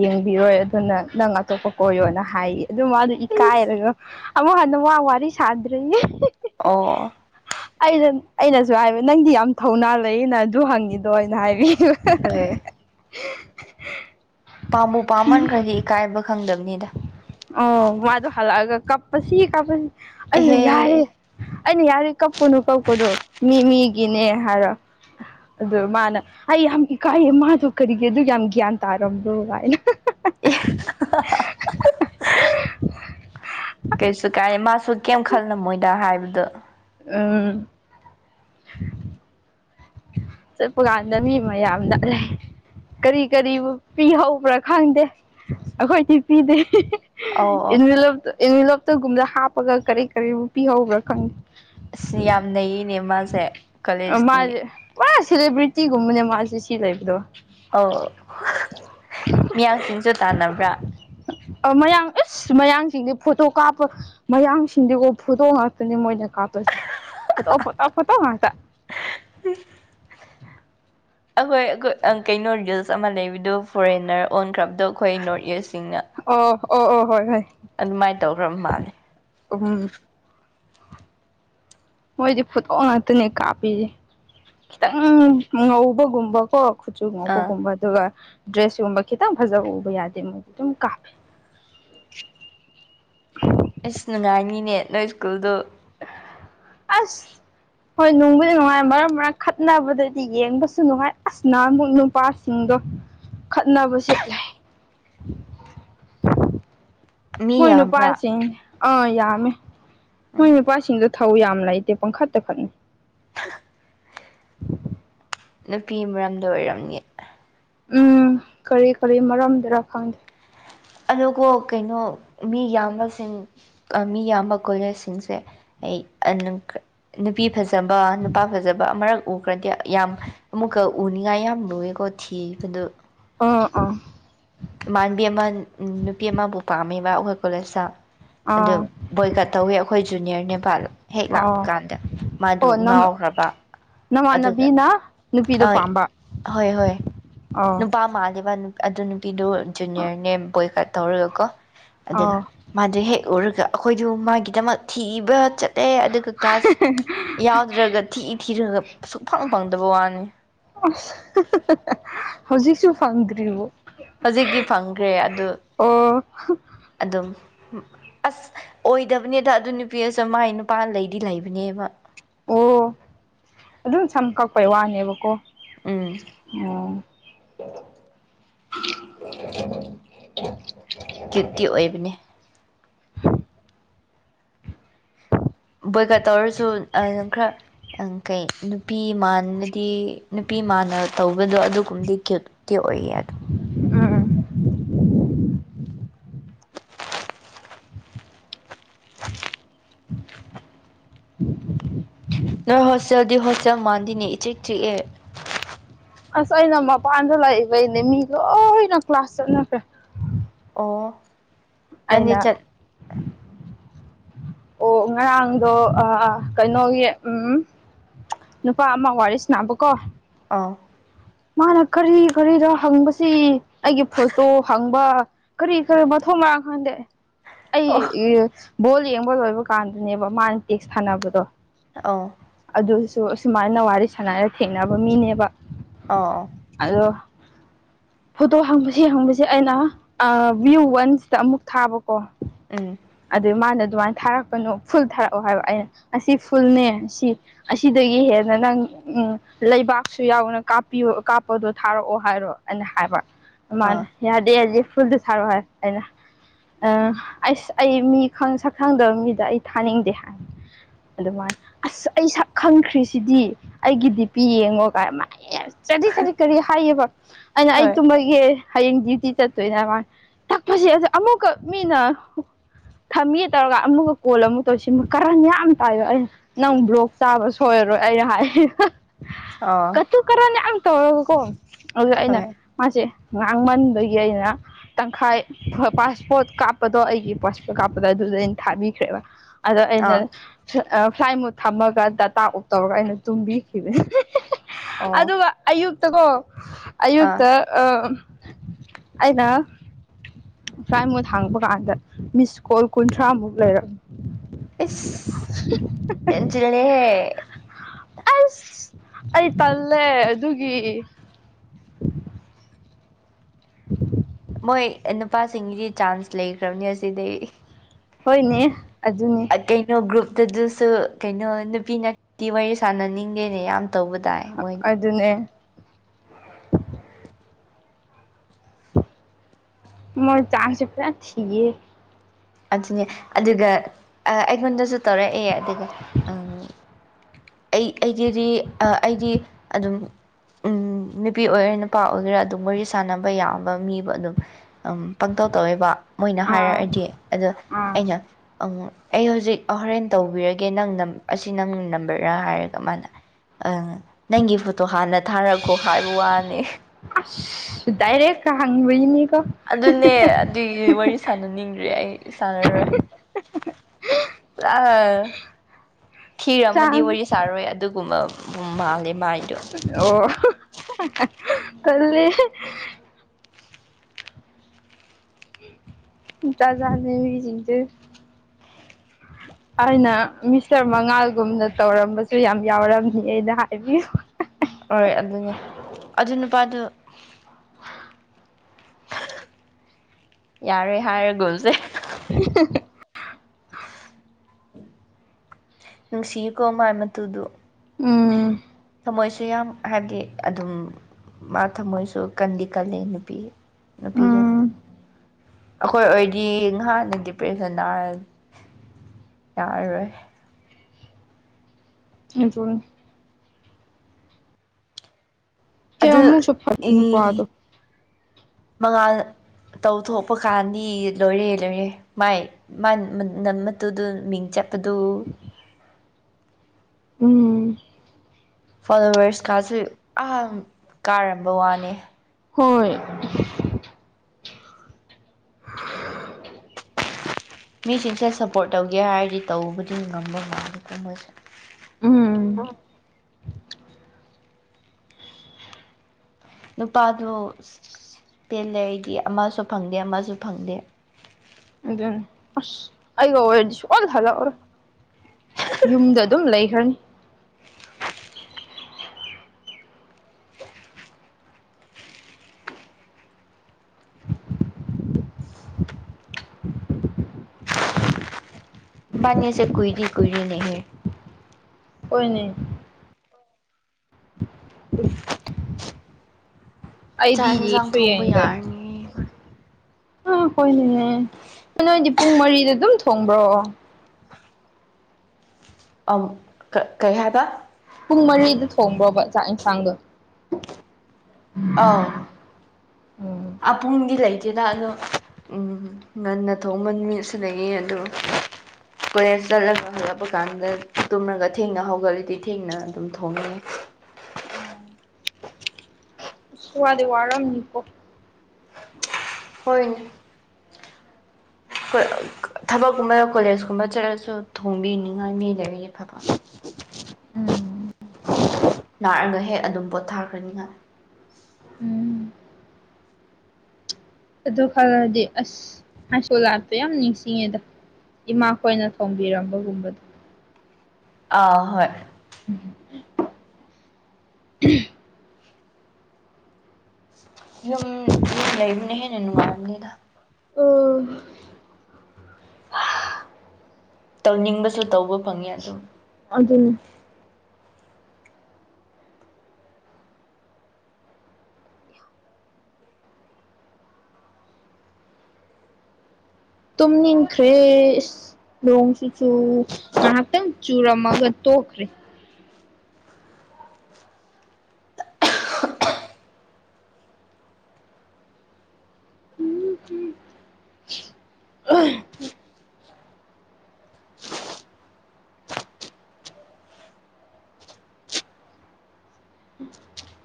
ꯌꯦꯡꯕꯤꯔꯣꯏ ꯑꯗꯨꯅ ꯅꯪ ꯑꯇꯣꯞꯄ ꯀꯣꯏꯌꯣꯅ ꯍꯥꯏꯌꯦ ꯑꯗꯨ ꯃꯥꯗ ꯏꯁ ꯏꯀꯥꯏꯔꯁꯨ ꯑ ꯍꯅ ꯋꯥ ꯑ ꯋꯥꯔꯤ ꯋꯥꯔꯤ ꯁꯥꯗꯔꯔꯤ ꯑꯣ ꯑꯩꯅ ꯑꯩꯅꯁꯨ ꯍꯥꯏꯕ ꯅꯪꯗꯤ ꯌꯥꯝ ꯊꯧꯅꯥ ꯂꯩꯌꯦꯅ ꯑꯗꯨ ꯍꯪꯉꯤꯗꯣ ꯑꯩꯅ ꯍꯥꯏꯕꯤ ꯍꯂ ꯐꯔꯦ ꯄꯥꯝꯕꯨ ꯄꯥꯝꯃꯟꯈ꯭ꯔꯗꯤ ꯏꯀꯥꯏꯕ ꯈꯪꯗꯕꯅꯤꯗ ꯑꯣ ꯃꯗꯨ ꯍꯂꯒ ꯀꯄꯁꯤ ꯀꯄꯁꯤ ꯑꯗꯨ ꯑꯦꯍꯦ ꯌꯥꯔꯦ ꯑꯩꯅ ꯌꯥꯔꯦ ꯀꯞꯀꯅꯨ ꯀꯞꯀꯅ ꯃꯤ ꯃꯤ ꯒꯤꯅꯦ ꯍꯥꯏꯔꯣ ꯑꯗꯨ ꯃꯥꯅ ꯑꯩ ꯌꯥꯝ ꯏꯀꯥꯏꯌꯦ ꯃꯥꯗꯣ ꯀꯔꯤꯒꯤ ꯑꯗꯨ ꯌꯥꯝ ꯒ꯭ꯌꯥꯟ ꯇꯥꯔꯕꯝꯅꯣ ꯍꯥꯏꯅ ꯑꯦ ꯀꯩꯁꯨ ꯀꯥꯏ ꯃꯥꯁꯨ ꯀꯩꯝ ꯈꯜꯂꯝꯃꯣꯏꯗ ꯍꯥꯏꯕꯗꯣ ꯎ ꯆꯠꯄꯀꯥꯟꯗ ꯃꯤ ꯃꯌꯥꯝꯗ ꯂꯩ ꯀꯔꯤ ꯀꯔꯤꯕ ꯄꯤꯍꯧꯕ꯭ꯔꯥ ꯈꯪꯗꯦ ꯑꯩꯈꯣꯏꯗꯤ ꯄꯤꯗꯦ ꯑꯧ ꯑꯧ ꯚꯂꯞꯇ ꯏꯟꯚꯤꯂꯣꯞꯇꯒꯨꯝꯕꯗ ꯍꯥꯞꯄꯒ ꯀꯔꯤ ꯀꯔꯤ ꯄꯤꯍꯧꯕ꯭ꯔꯥ ꯈꯪꯉꯦ ꯑꯁ ꯌꯥꯝ ꯅꯩꯅꯦ ꯃꯥꯁꯦ ꯀꯣꯂꯦꯖꯀꯤ ꯃꯥ ꯁꯦꯂꯦꯕ꯭ꯔꯤꯇꯤꯒꯨꯝꯕꯅꯦ ꯃꯥꯁꯦ ꯁꯤ ꯂꯩꯕꯗꯣ ꯑ ꯃꯤꯌꯥꯝꯁꯤꯡꯁꯨ ꯇꯥꯟꯅꯕ꯭ꯔꯥ ꯃꯌꯥꯡ ꯑꯁ ꯃꯌꯥꯡꯁꯤꯡꯗꯤ ꯐꯣꯇꯣ ꯀꯥꯞꯄ ꯃꯌꯥꯡꯁꯤꯡꯗꯤꯀꯣ ꯐꯣꯇꯣ ꯉꯥꯛꯇꯅꯤ ꯃꯣꯏꯅ ꯀꯥꯞꯇꯣꯏꯅꯤ ꯐ ꯐꯠꯇ ꯐꯠꯇꯣ ꯉꯇ [unintelligible] ꯑꯩꯈꯣꯏ ꯀꯩꯅꯣ ꯔꯤꯜꯁ ꯑꯃ ꯂꯩꯕꯗꯣ ꯐꯣꯔꯦꯟꯅꯔ ꯑꯣꯟꯈ꯭ꯔꯕ ꯑꯗꯣ ꯑꯩꯈꯣꯏ ꯅꯣꯔꯠ ꯏꯁꯁꯤꯡꯅ ꯑꯣ ꯑꯣ ꯑꯣ ꯍꯣꯏ ꯍꯣꯏ ꯑꯗꯨꯃꯥꯏꯅ ꯇꯧꯈ꯭ꯔꯕ ꯃꯥꯜꯂꯦ ꯎꯨꯝ ꯃꯣꯏꯗꯤ ꯐꯨꯠꯇꯣꯛ ꯉꯥꯛꯇꯅꯦ ꯀꯥꯞꯄꯤꯁꯦ ꯈꯤꯇꯪ ꯉꯧꯕꯒꯨꯝꯕꯀꯣ ꯈꯨꯠꯁꯨꯨ ꯑꯥ ꯉꯄꯒꯨꯝꯕ ꯑꯗꯨꯒ ꯗ꯭ꯔꯦꯁꯒꯨꯝꯕ ꯈꯤꯇꯪ ꯐꯖꯕ ꯎꯕ ꯌꯥꯗꯦ ꯃꯣꯏꯗꯤ ꯑꯗꯨꯝ ꯀꯥꯞꯄꯦ [unintelligible] [unintelligible] ꯑꯁ ꯅꯨꯡꯉꯥꯏꯅꯤꯅꯦ ꯅꯣꯏ ꯁ꯭ꯀꯨꯜꯗꯣ ꯑꯁ ꯍꯣꯏ ꯅꯨꯡꯕꯨꯗꯤ ꯅꯨꯡꯉꯥꯏ ꯃꯔꯝ ꯃꯔꯥꯡ ꯈꯠꯅꯕꯗꯗꯤ ꯌꯦꯡꯕꯁꯨ ꯅꯨꯡꯉꯥꯏ ꯑꯁꯅ ꯑꯃꯨꯛ ꯅꯨꯄꯥꯁꯤꯡꯗ ꯈꯠꯅꯕꯁꯦ ꯂꯩ ꯃꯤ ꯃꯣꯏꯅ ꯌꯥꯝꯕ꯭ꯔꯥ ꯄꯁꯤꯗ ꯑ ꯌꯥꯃꯦ ꯎꯝ ꯃꯣꯏꯅ ꯄꯁꯤꯗ ꯊꯧ ꯌꯥꯝ ꯂꯩꯇꯦ ꯄꯥꯡꯈ ꯇꯈꯛꯅꯤ [unintelligible] ꯅꯨꯄꯤ ꯃꯔꯝꯗ ꯑꯣꯏꯔꯝꯅꯤꯦ ꯎꯝ ꯀꯔꯤ ꯀꯔꯤ ꯃꯔꯝꯗꯨꯔ ꯈꯪꯗꯦ ꯑꯗꯨ ꯀꯩꯅꯣ ꯃꯤ ꯌꯥꯝꯕꯁꯤꯡ ꯃꯤ ꯌꯥꯝꯕ ꯀꯣꯂꯦꯖꯁꯤꯡꯁꯦ ꯑꯩ ꯅꯨꯄꯤ ꯐꯖꯕ ꯅꯨꯄꯥ ꯐꯖꯕ ꯑꯃꯛ ꯎꯈ꯭ꯔꯗꯤ ꯌꯥꯝ ꯑꯃꯨꯛꯀ ꯎꯅꯤꯡꯉꯥꯏ ꯌꯥꯝ ꯂꯨꯑꯦꯀꯣ ꯊꯤꯕꯗꯣ ꯑꯥ ꯑꯥ ꯑꯃ ꯅꯨꯄꯤ ꯑꯃꯕꯨ ꯄꯥꯝꯃꯦꯕ ꯑꯩꯈꯣꯏ ꯀꯣꯂꯦꯖꯇ ꯑꯗꯨ ꯑꯥ ꯕꯣꯏꯀꯠ ꯇꯧꯋꯤ ꯑꯩꯈꯣꯏ ꯖꯨꯅꯤꯌꯔ ꯅꯦꯄꯥꯜ ꯍꯦꯛ ꯂꯥꯛꯄ ꯑꯥ ꯀꯥꯟꯗ ꯃꯥꯗꯨ ꯑꯣ ꯅꯝ ꯉꯥꯎꯈ꯭ꯔꯕ ꯑꯗꯨꯒ ꯅꯃꯥꯟꯅꯕꯤꯅ ꯑ ꯅꯨꯄꯤꯗꯣ ꯄꯥꯝꯕ ꯍꯣꯏ ꯍꯣꯏ ꯑꯥ ꯅꯨꯄꯥ ꯃꯥꯂꯦꯕ ꯑꯗꯨ ꯅꯨꯄꯤꯗꯨ ꯖꯨꯅꯤꯌꯔꯅꯦ ꯕꯣꯏꯀꯠ ꯇꯧꯔꯒꯀꯣ ꯑꯗꯨꯒ ꯑꯥ ꯃꯥꯗꯨ ꯍꯦꯛ ꯎꯔꯒ ꯑꯩꯈꯣꯏꯗꯨ ꯃꯥꯒꯤꯗꯃꯛ ꯊꯤꯕ ꯆ ꯑꯦ ꯑꯗꯨꯒ ꯀ꯭ꯂꯥꯁ ꯌꯥꯎꯗ꯭ꯔꯒ ꯊꯤ ꯊꯤꯔꯒ ꯁꯨꯡꯛꯐꯪ ꯐꯪꯗꯕ ꯋꯥꯅꯤ ꯍꯧꯖꯤꯛꯁꯨ ꯐꯪꯗ꯭ꯔꯤꯕꯔꯤꯕ ꯍꯧꯖꯤꯛꯇꯤ ꯐꯪꯈ꯭ꯔꯦ ꯑꯗꯨ ꯑꯣ ꯑꯗꯨꯝ ꯑꯁ ꯑꯣꯏꯗꯕꯅꯦꯗ ꯑꯗꯨ ꯅꯨꯄꯤ ꯑꯁꯨ ꯃꯥꯏ ꯅꯨꯄꯥꯅ ꯂꯩꯗꯤ ꯂꯩꯕꯅꯦꯕ ꯑꯣ ꯑꯗꯨꯝ ꯁꯝ ꯀꯛꯄꯩ ꯋꯥꯅꯦꯕꯀꯣ ꯎꯝ ꯑꯣ [unintelligible] ꯀ꯭ꯌꯨꯇꯤ ꯑꯣꯏꯕꯅꯦ ꯑ ꯕꯣꯏꯀ ꯇꯧꯔꯁꯨ ꯅ ꯈꯔ ꯀꯩ ꯅꯨꯄꯤꯃꯅꯗꯤ ꯅꯨꯄꯤꯃꯅ ꯇꯧꯕꯗꯣ ꯑꯗꯨꯒꯨꯝꯕꯗꯤꯦ ꯑꯣꯏ ꯑꯗꯨ ꯅꯣꯏ ꯍꯣꯁꯇꯦꯜꯗꯤ ꯍꯣꯁꯇꯦꯜ ꯃꯥꯟꯗꯤꯅꯦ ꯏꯤꯛ ꯆꯤꯛꯑꯦ ꯑꯁ ꯑꯩꯅ ꯃꯄꯥꯟꯗ ꯂꯥꯛꯏꯕꯩꯅꯦ ꯃꯤ ꯂꯣꯏꯅ ꯀ꯭ꯂꯥꯁ ꯆꯠꯅꯈ꯭ꯔꯦ ꯑꯣ ꯅꯪꯅꯦ ꯑꯩꯅ ꯆꯠ ꯑꯣ ꯉꯔꯥꯡꯗꯣ ꯀꯩꯅꯣꯒꯤ ꯎꯝ ꯅꯨꯄꯥ ꯑꯃ ꯋꯥꯔꯤꯁ ꯅꯥꯅꯕꯀꯣ ꯑꯥ ꯃꯥꯅ ꯀꯔꯤ ꯀꯔꯤꯗ ꯍꯪꯕꯁꯤ ꯑꯩꯒꯤ ꯐꯣꯇꯣ ꯍꯪꯕ ꯀꯔꯤ ꯀꯔꯤ ꯃꯊꯧ ꯃ ꯈꯣꯟꯗꯦ ꯑꯩ ꯑꯣ ꯕꯣꯜ ꯌꯦꯡꯕ ꯂꯣꯏꯕ ꯀꯥꯟꯗꯅꯦꯕ ꯃꯥꯅ ꯇꯦꯛꯁ ꯊꯥꯅꯕꯗꯣ ꯑꯥꯎ ꯑꯗꯨꯁꯨ ꯑꯁꯨꯃꯥꯏꯅ ꯋꯥꯔꯤ ꯁꯥꯟꯅꯔ ꯊꯦꯡꯅꯕ ꯃꯤꯅꯦꯕ ꯑꯣ ꯑꯗꯣ ꯐꯣꯇꯣ ꯍꯪꯕꯕꯁꯤꯦ ꯍꯪꯕꯁꯦ ꯑꯩꯅ ꯚ꯭ꯌꯨ ꯋꯥꯟꯁꯤꯗ ꯑꯃꯨꯛ ꯊꯥꯕ ꯀꯣ ꯎꯝ ꯑꯗꯨ ꯃꯥꯅ ꯑꯗꯨꯃꯥꯏꯅ ꯊꯥꯔꯛꯄꯅꯣ ꯐꯨꯜ ꯊꯥꯔꯛꯑꯣ ꯍꯥꯏꯕ ꯑꯩꯅ ꯑꯁꯤ ꯐꯨꯜꯅꯦ ꯁꯤ ꯑꯁꯤꯗꯒꯤ ꯍꯦꯟꯅ ꯅꯪ ꯎꯝ ꯂꯩꯕꯥꯛꯁꯨ ꯌꯥꯎꯅ ꯀꯥꯞꯄꯤꯌꯣ ꯀꯥꯞꯄꯗꯣ ꯊꯥꯔꯛꯑꯣ ꯍꯥꯏꯔꯣ ꯑꯩꯅ ꯍꯥꯏꯕ ꯑꯥ ꯃꯥꯅꯦ ꯌꯥꯗꯦ ꯍꯥꯏ ꯨꯜꯗ ꯁꯥꯔꯛ ꯍꯥꯏ ꯑꯩꯅꯁ ꯑꯩ ꯃꯤ ꯈ ꯈꯪꯗꯕ ꯃꯤꯗ ꯑꯩ ꯊꯥꯅꯤꯡꯗꯦ ꯍꯥꯏ ꯑꯗꯨꯃꯥꯏꯅ ꯑꯁ ꯑꯩ ꯁꯛ ꯈꯪꯈ꯭ꯔꯤꯁꯤꯗꯤ ꯑꯩꯒꯤꯗꯤ ꯄꯤ ꯌꯦꯡꯉꯣ ꯀꯥꯏ ꯃꯌꯥꯝ ꯆꯂꯤ ꯆꯠꯗꯤ ꯀꯔꯤ ꯍꯥꯏꯌꯦꯕ ꯑꯩꯅ ꯑꯩ ꯍꯣꯏ ꯇꯨꯝꯕꯒꯤ ꯍꯌꯦꯡ ꯗ꯭ꯌꯨꯇꯤ ꯆꯠꯇꯣꯏꯅꯦ ꯃꯥ ꯇꯛꯄꯁꯦ ꯑ ꯑꯃꯨꯛꯀ ꯃꯤꯅ ꯊꯝꯃꯦ ꯇꯧꯔꯒ ꯑꯃꯨꯛꯀ ꯀꯣꯜ ꯑꯃꯨꯛ ꯇꯧꯁꯤꯃ ꯀꯔꯟ ꯌꯥꯝ ꯇꯥꯏꯕꯣ ꯑꯩꯅ ꯅꯪ ꯕ꯭ꯂꯣꯛ ꯆꯥꯕ ꯁꯣꯏꯔꯔꯣꯏ ꯑꯩꯅ ꯍꯥꯏ ꯑꯥ ꯀꯨ ꯀꯔꯅꯦ ꯌꯥꯝ ꯇꯧꯔꯒꯀꯣ ꯑꯗꯨꯒ ꯑꯩꯅ ꯍꯣꯏ ꯃꯥꯁꯦ ꯉꯥꯡꯃꯟꯕꯗꯒꯤ ꯑꯩꯅ ꯇꯪꯈꯥꯏ ꯄꯥꯁꯄꯣꯔꯠ ꯀꯥꯞꯄꯗꯣ ꯑꯩꯒꯤ ꯄꯥꯁꯄꯣꯔꯠ ꯀꯥꯞꯄꯗꯣ ꯑꯗꯨꯗ ꯑꯩꯅ ꯊꯥꯕꯤꯈ꯭ꯔꯦꯕ ꯑꯗꯣ ꯑꯥ ꯑꯩꯅ ꯐ꯭ꯂꯥꯏ ꯃꯨꯠ ꯊꯝꯃꯒ ꯗꯇꯥ ꯑꯣꯞ ꯇꯧꯔꯒ ꯑꯩꯅ ꯇꯨꯝꯕꯤꯈꯤꯕꯅꯤ ꯑꯣ ꯑꯗꯨꯒ ꯑꯌꯨꯛꯇ ꯀꯣ ꯑꯥ ꯑꯌꯨꯛꯇ ꯑ ꯑꯩꯅ ꯐ꯭ꯔꯥꯏ ꯃꯣꯏꯠ ꯍꯥꯡꯕ ꯀꯥꯟꯗ ꯃꯤꯁ ꯀꯣꯜ ꯀꯨꯟꯊ꯭ꯔꯥꯃꯨꯛ ꯂꯩꯔꯝꯃꯤ ꯏꯁ ꯍꯦꯟꯖꯤꯜꯂꯦꯍꯦ [unintelligible] ꯑꯁ ꯑꯩ ꯄꯜꯂꯦ ꯑꯗꯨꯒꯤ ꯎ ꯃꯣꯏ ꯅꯨꯄꯥꯁꯤꯡꯒꯤꯗꯤ ꯆꯥꯟꯁ ꯂꯩꯈ꯭ꯔꯕꯅꯤ ꯑꯁꯤꯗꯩ ꯍꯣꯏꯅꯦ ꯑꯗꯨꯅꯤ ꯀꯩꯅꯣ ꯒ꯭ꯔꯨꯞꯇꯁꯨ ꯀꯩꯅꯣ ꯅꯨꯄꯤꯅꯤ ꯋꯥꯔꯤ ꯁꯥꯟꯅꯅꯤꯡꯗꯦꯅꯦ ꯌꯥꯝ ꯇꯧꯕ ꯇꯥꯏ ꯃꯣꯏ ꯑꯗꯨꯅꯦ ꯃ ꯆꯥꯁꯤ ꯄꯨꯔꯥ ꯊꯌꯦ ꯑꯗꯨꯅꯦ ꯑꯗꯨꯒ ꯑꯩꯉꯣꯟꯗꯁꯨ ꯇꯧꯔꯛꯑꯦ ꯑꯗꯨꯒ ꯎꯝ ꯑꯩ ꯑꯩꯒꯤꯗꯤ ꯑꯩꯗꯤ ꯑꯗꯨꯝ ꯎꯝ ꯅꯨꯄꯤ ꯑꯣꯏꯒꯦꯔꯥ ꯅꯨꯄꯥ ꯑꯣꯏꯒꯦꯔꯥ ꯑꯗꯨꯝ ꯋꯥꯔꯤ ꯁꯥꯟꯅꯕ ꯌꯥꯕ ꯃꯤꯕꯨ ꯑꯗꯨꯝ ꯎꯝ ꯄꯥꯡꯇꯧ ꯇꯧ ꯇꯧꯋꯦꯕ ꯃꯣꯏꯅ ꯑꯥ ꯍꯥꯏꯔꯛꯑꯗꯤ ꯑꯗꯣ ꯑꯥ ꯑꯩꯅ ꯑ ꯑꯩ ꯍꯧꯖꯤꯛ ꯍꯣꯔꯦꯟ ꯇꯧꯕꯤꯔꯒꯦ ꯅꯪ ꯑꯁꯤ ꯅꯪ ꯅꯝꯕꯔꯗ ꯍꯥꯏꯔꯒ ꯃꯥꯅ ꯑꯪ ꯅꯪꯒꯤ ꯐꯣꯇꯣ ꯍꯥꯟꯅ ꯊꯥꯔꯛꯈꯣ ꯍꯥꯏꯕ ꯋꯥꯅꯦ ꯗꯗꯥꯏꯔꯦꯛ ꯀꯥ ꯍꯪꯕꯤꯅꯤ ꯀꯣ ꯑꯗꯨꯅꯦ ꯑꯗꯨꯒꯤ ꯋꯥꯔꯤ ꯁꯥꯟꯅꯅꯤꯡꯗ꯭ꯔꯦ ꯑꯩ ꯁꯥꯟꯅꯔꯣꯏ ꯑ ꯊꯤꯔꯝ ꯃꯥꯗꯤ ꯆꯥꯡ ꯋꯥꯔꯤ ꯁꯥꯔꯣꯏ ꯑꯗꯨꯒꯨꯝꯕ ꯃꯥꯜꯂꯦ ꯃꯥ ꯑꯣ ꯇꯜꯂꯦ ꯖꯥꯠ ꯍꯥꯠ ꯅꯦ ꯃꯤ ꯁꯤꯡꯁꯦ ꯑꯩꯅ ꯃꯤꯁꯇꯔ ꯃꯉꯥꯜꯒꯨꯝꯅ ꯇꯧꯔꯝꯕꯁꯨ ꯌꯥꯝ ꯌꯥꯎꯔꯝꯅꯤ ꯑꯩꯅ ꯍꯥꯏꯕꯤꯌꯨ ꯍꯣꯏ ꯑꯗꯨꯅꯦ ꯑꯗꯨ [unintelligible] ꯌꯥꯔꯦ ꯍꯥꯏꯔꯥ ꯒꯨꯜ ꯁꯦ [unintelligible] ꯅꯨꯡꯁꯤꯌꯦꯀꯣ ꯃꯥꯏ ꯃꯇꯨꯗꯨ ꯎꯝ ꯊꯃꯣꯏꯁꯨ ꯌꯥꯝ ꯍꯥꯏꯕꯗꯤ ꯑꯗꯨꯝ ꯃꯥ ꯊꯃꯣꯏꯁꯨ ꯀꯟꯗꯤ ꯀꯜꯂꯦ ꯅꯨꯄꯤ ꯅꯨꯄꯤꯗꯣ ꯎꯝ ꯑꯩꯈꯣꯏ ꯑꯣꯏꯗꯤ ꯉꯍꯥꯟꯅ ꯗꯤꯄ꯭ꯔꯦꯁꯟ ꯅꯥꯔꯥꯅꯤ ꯌꯥꯔꯣꯏ ꯊꯣꯡꯒꯦ ꯑꯗꯨ ꯀꯌꯥꯃꯨꯛꯁꯨ ꯐꯠ ꯎ ꯅꯨꯄꯥꯗꯣ ꯃꯉꯥꯜ ꯇꯧꯊꯣꯛꯄ ꯀꯥꯟꯗꯤ ꯂꯣꯏꯔꯦ ꯂꯣꯏꯔꯦ ꯃꯥꯏ ꯃꯨꯗ ꯃꯤꯡ ꯆꯠ ꯆꯞꯗꯨ ꯎꯝ ꯐꯣꯂꯣꯋꯔꯁꯀꯥꯁ ꯑꯥ ꯀꯥꯔꯝꯕ ꯋꯥꯅꯦ ꯍꯣꯏ ꯃꯤꯁꯤꯡꯁꯦ ꯁꯞꯄꯣꯔꯠ ꯇꯧꯒꯦ ꯍꯥꯏꯔꯗꯤ ꯇꯧꯕꯗꯤ ꯉꯝꯗꯧ ꯃꯜꯂꯤꯀꯣ ꯃꯣꯏꯁꯦ꯫ ꯎꯝ ꯅꯨꯄꯥꯗꯣ ꯄꯦꯜ ꯂꯦ ꯑꯩꯗꯤ ꯑꯃꯁꯨ ꯐꯪꯗꯦ ꯑꯃꯁꯨ ꯐꯪꯗꯦ ꯑꯗꯨꯃꯦ ꯑꯁ ꯑꯩꯒ ꯑꯣꯏꯔꯥꯗꯤ ꯁꯨꯛꯍꯟ ꯍꯜꯂꯥꯛꯑꯥꯔꯣꯏ ꯌꯨꯝꯗ ꯑꯗꯨꯝ ꯂꯩꯈ꯭ꯔꯅꯤ ꯕꯅꯤꯁꯦ ꯀꯨꯏꯗꯤ ꯀꯨꯏꯔꯦ ꯅꯦꯍꯦ ꯍꯣꯏꯅꯦ ꯆꯥꯛ ꯑꯩꯗꯤ ꯌꯦꯟꯁꯥꯡ ꯌꯦꯡꯁꯨ ꯊꯣꯡꯕ ꯌꯥꯔꯅꯤ ꯑꯥ ꯍꯣꯏꯅꯦꯍꯦ ꯅꯣꯏꯗꯤ ꯄꯨꯡ ꯃꯔꯤꯗ ꯑꯗꯨꯝ ꯊꯣꯡꯕ꯭ꯔꯣ ꯑ ꯀꯩ ꯍꯥꯏꯕ ꯄꯨꯡ ꯃꯔꯤꯗ ꯊꯣꯡꯕ꯭ꯔꯣꯕ ꯆꯥꯛ ꯏꯟꯁꯥꯡꯗꯣ ꯑꯥꯎ ꯎꯝ ꯑꯄꯨꯡꯗꯤ ꯂꯩꯇꯦꯗ ꯑꯗꯣ ꯎꯝ ꯉꯟꯅ ꯊꯣꯡꯕ ꯅꯨꯃꯤꯠ ꯁꯤꯗꯒꯤ ꯑ ꯀꯣꯂꯦꯖ ꯆꯠꯂꯒ ꯍꯜꯂꯛꯄ ꯀꯥꯟꯗ ꯇꯨꯝꯃꯒ ꯊꯦꯡꯅ ꯍꯧꯒꯠꯂꯗꯤ ꯊꯦꯡꯅ ꯑꯗꯨꯝ ꯊꯣꯡꯉꯦ ꯑ ꯎꯁꯨꯗ ꯋꯥꯔꯝꯅꯤꯄꯣ ꯍꯣꯏꯅꯦ ꯊꯕꯛꯀꯨꯝꯕ ꯀꯣꯂꯦꯖꯀꯨꯝꯕ ꯆꯠꯂꯁꯨ ꯊꯣꯡꯕꯤꯅꯤꯡꯉꯥꯏ ꯃꯤ ꯂꯩꯔꯤꯗꯤꯐꯕ ꯎꯝ ꯂꯥꯛꯑꯒ ꯍꯦꯛ ꯑꯗꯨꯝ ꯄꯣꯊꯥꯈ꯭ꯔꯅꯤꯉꯥꯏ ꯎꯝ ꯑꯗꯨ ꯈꯜꯂꯛꯑꯗꯤ ꯑꯁꯁꯣ ꯂꯥꯛꯇꯣꯏ ꯌꯥꯝ ꯅꯤꯡꯁꯤꯡꯉꯦꯗ ꯏꯃꯥꯈꯣꯏꯅ ꯊꯣꯡꯝꯕꯤꯔꯝꯕꯒꯨꯝꯕꯗꯣ ꯑ ꯍꯣꯏ [unintelligible] ꯌꯨꯝ ꯌꯨꯝ ꯂꯩꯕꯅꯦꯍꯦꯟꯅ ꯅꯨꯡꯉꯥꯏꯔꯝꯅꯤꯗ ꯑꯣ ꯇꯧꯅꯤꯡꯕꯁꯨ ꯇꯧꯕ ꯐꯪꯉꯦ ꯑꯗꯨꯝ ꯑꯗꯨ ꯇꯨꯝꯅꯤꯟꯈ꯭ꯔꯦ ꯅꯣꯡ ꯆꯨ ꯆꯨ ꯉꯥꯏꯍꯥꯛꯇꯪ ꯆꯨꯔꯝꯃꯒ ꯄꯈ꯭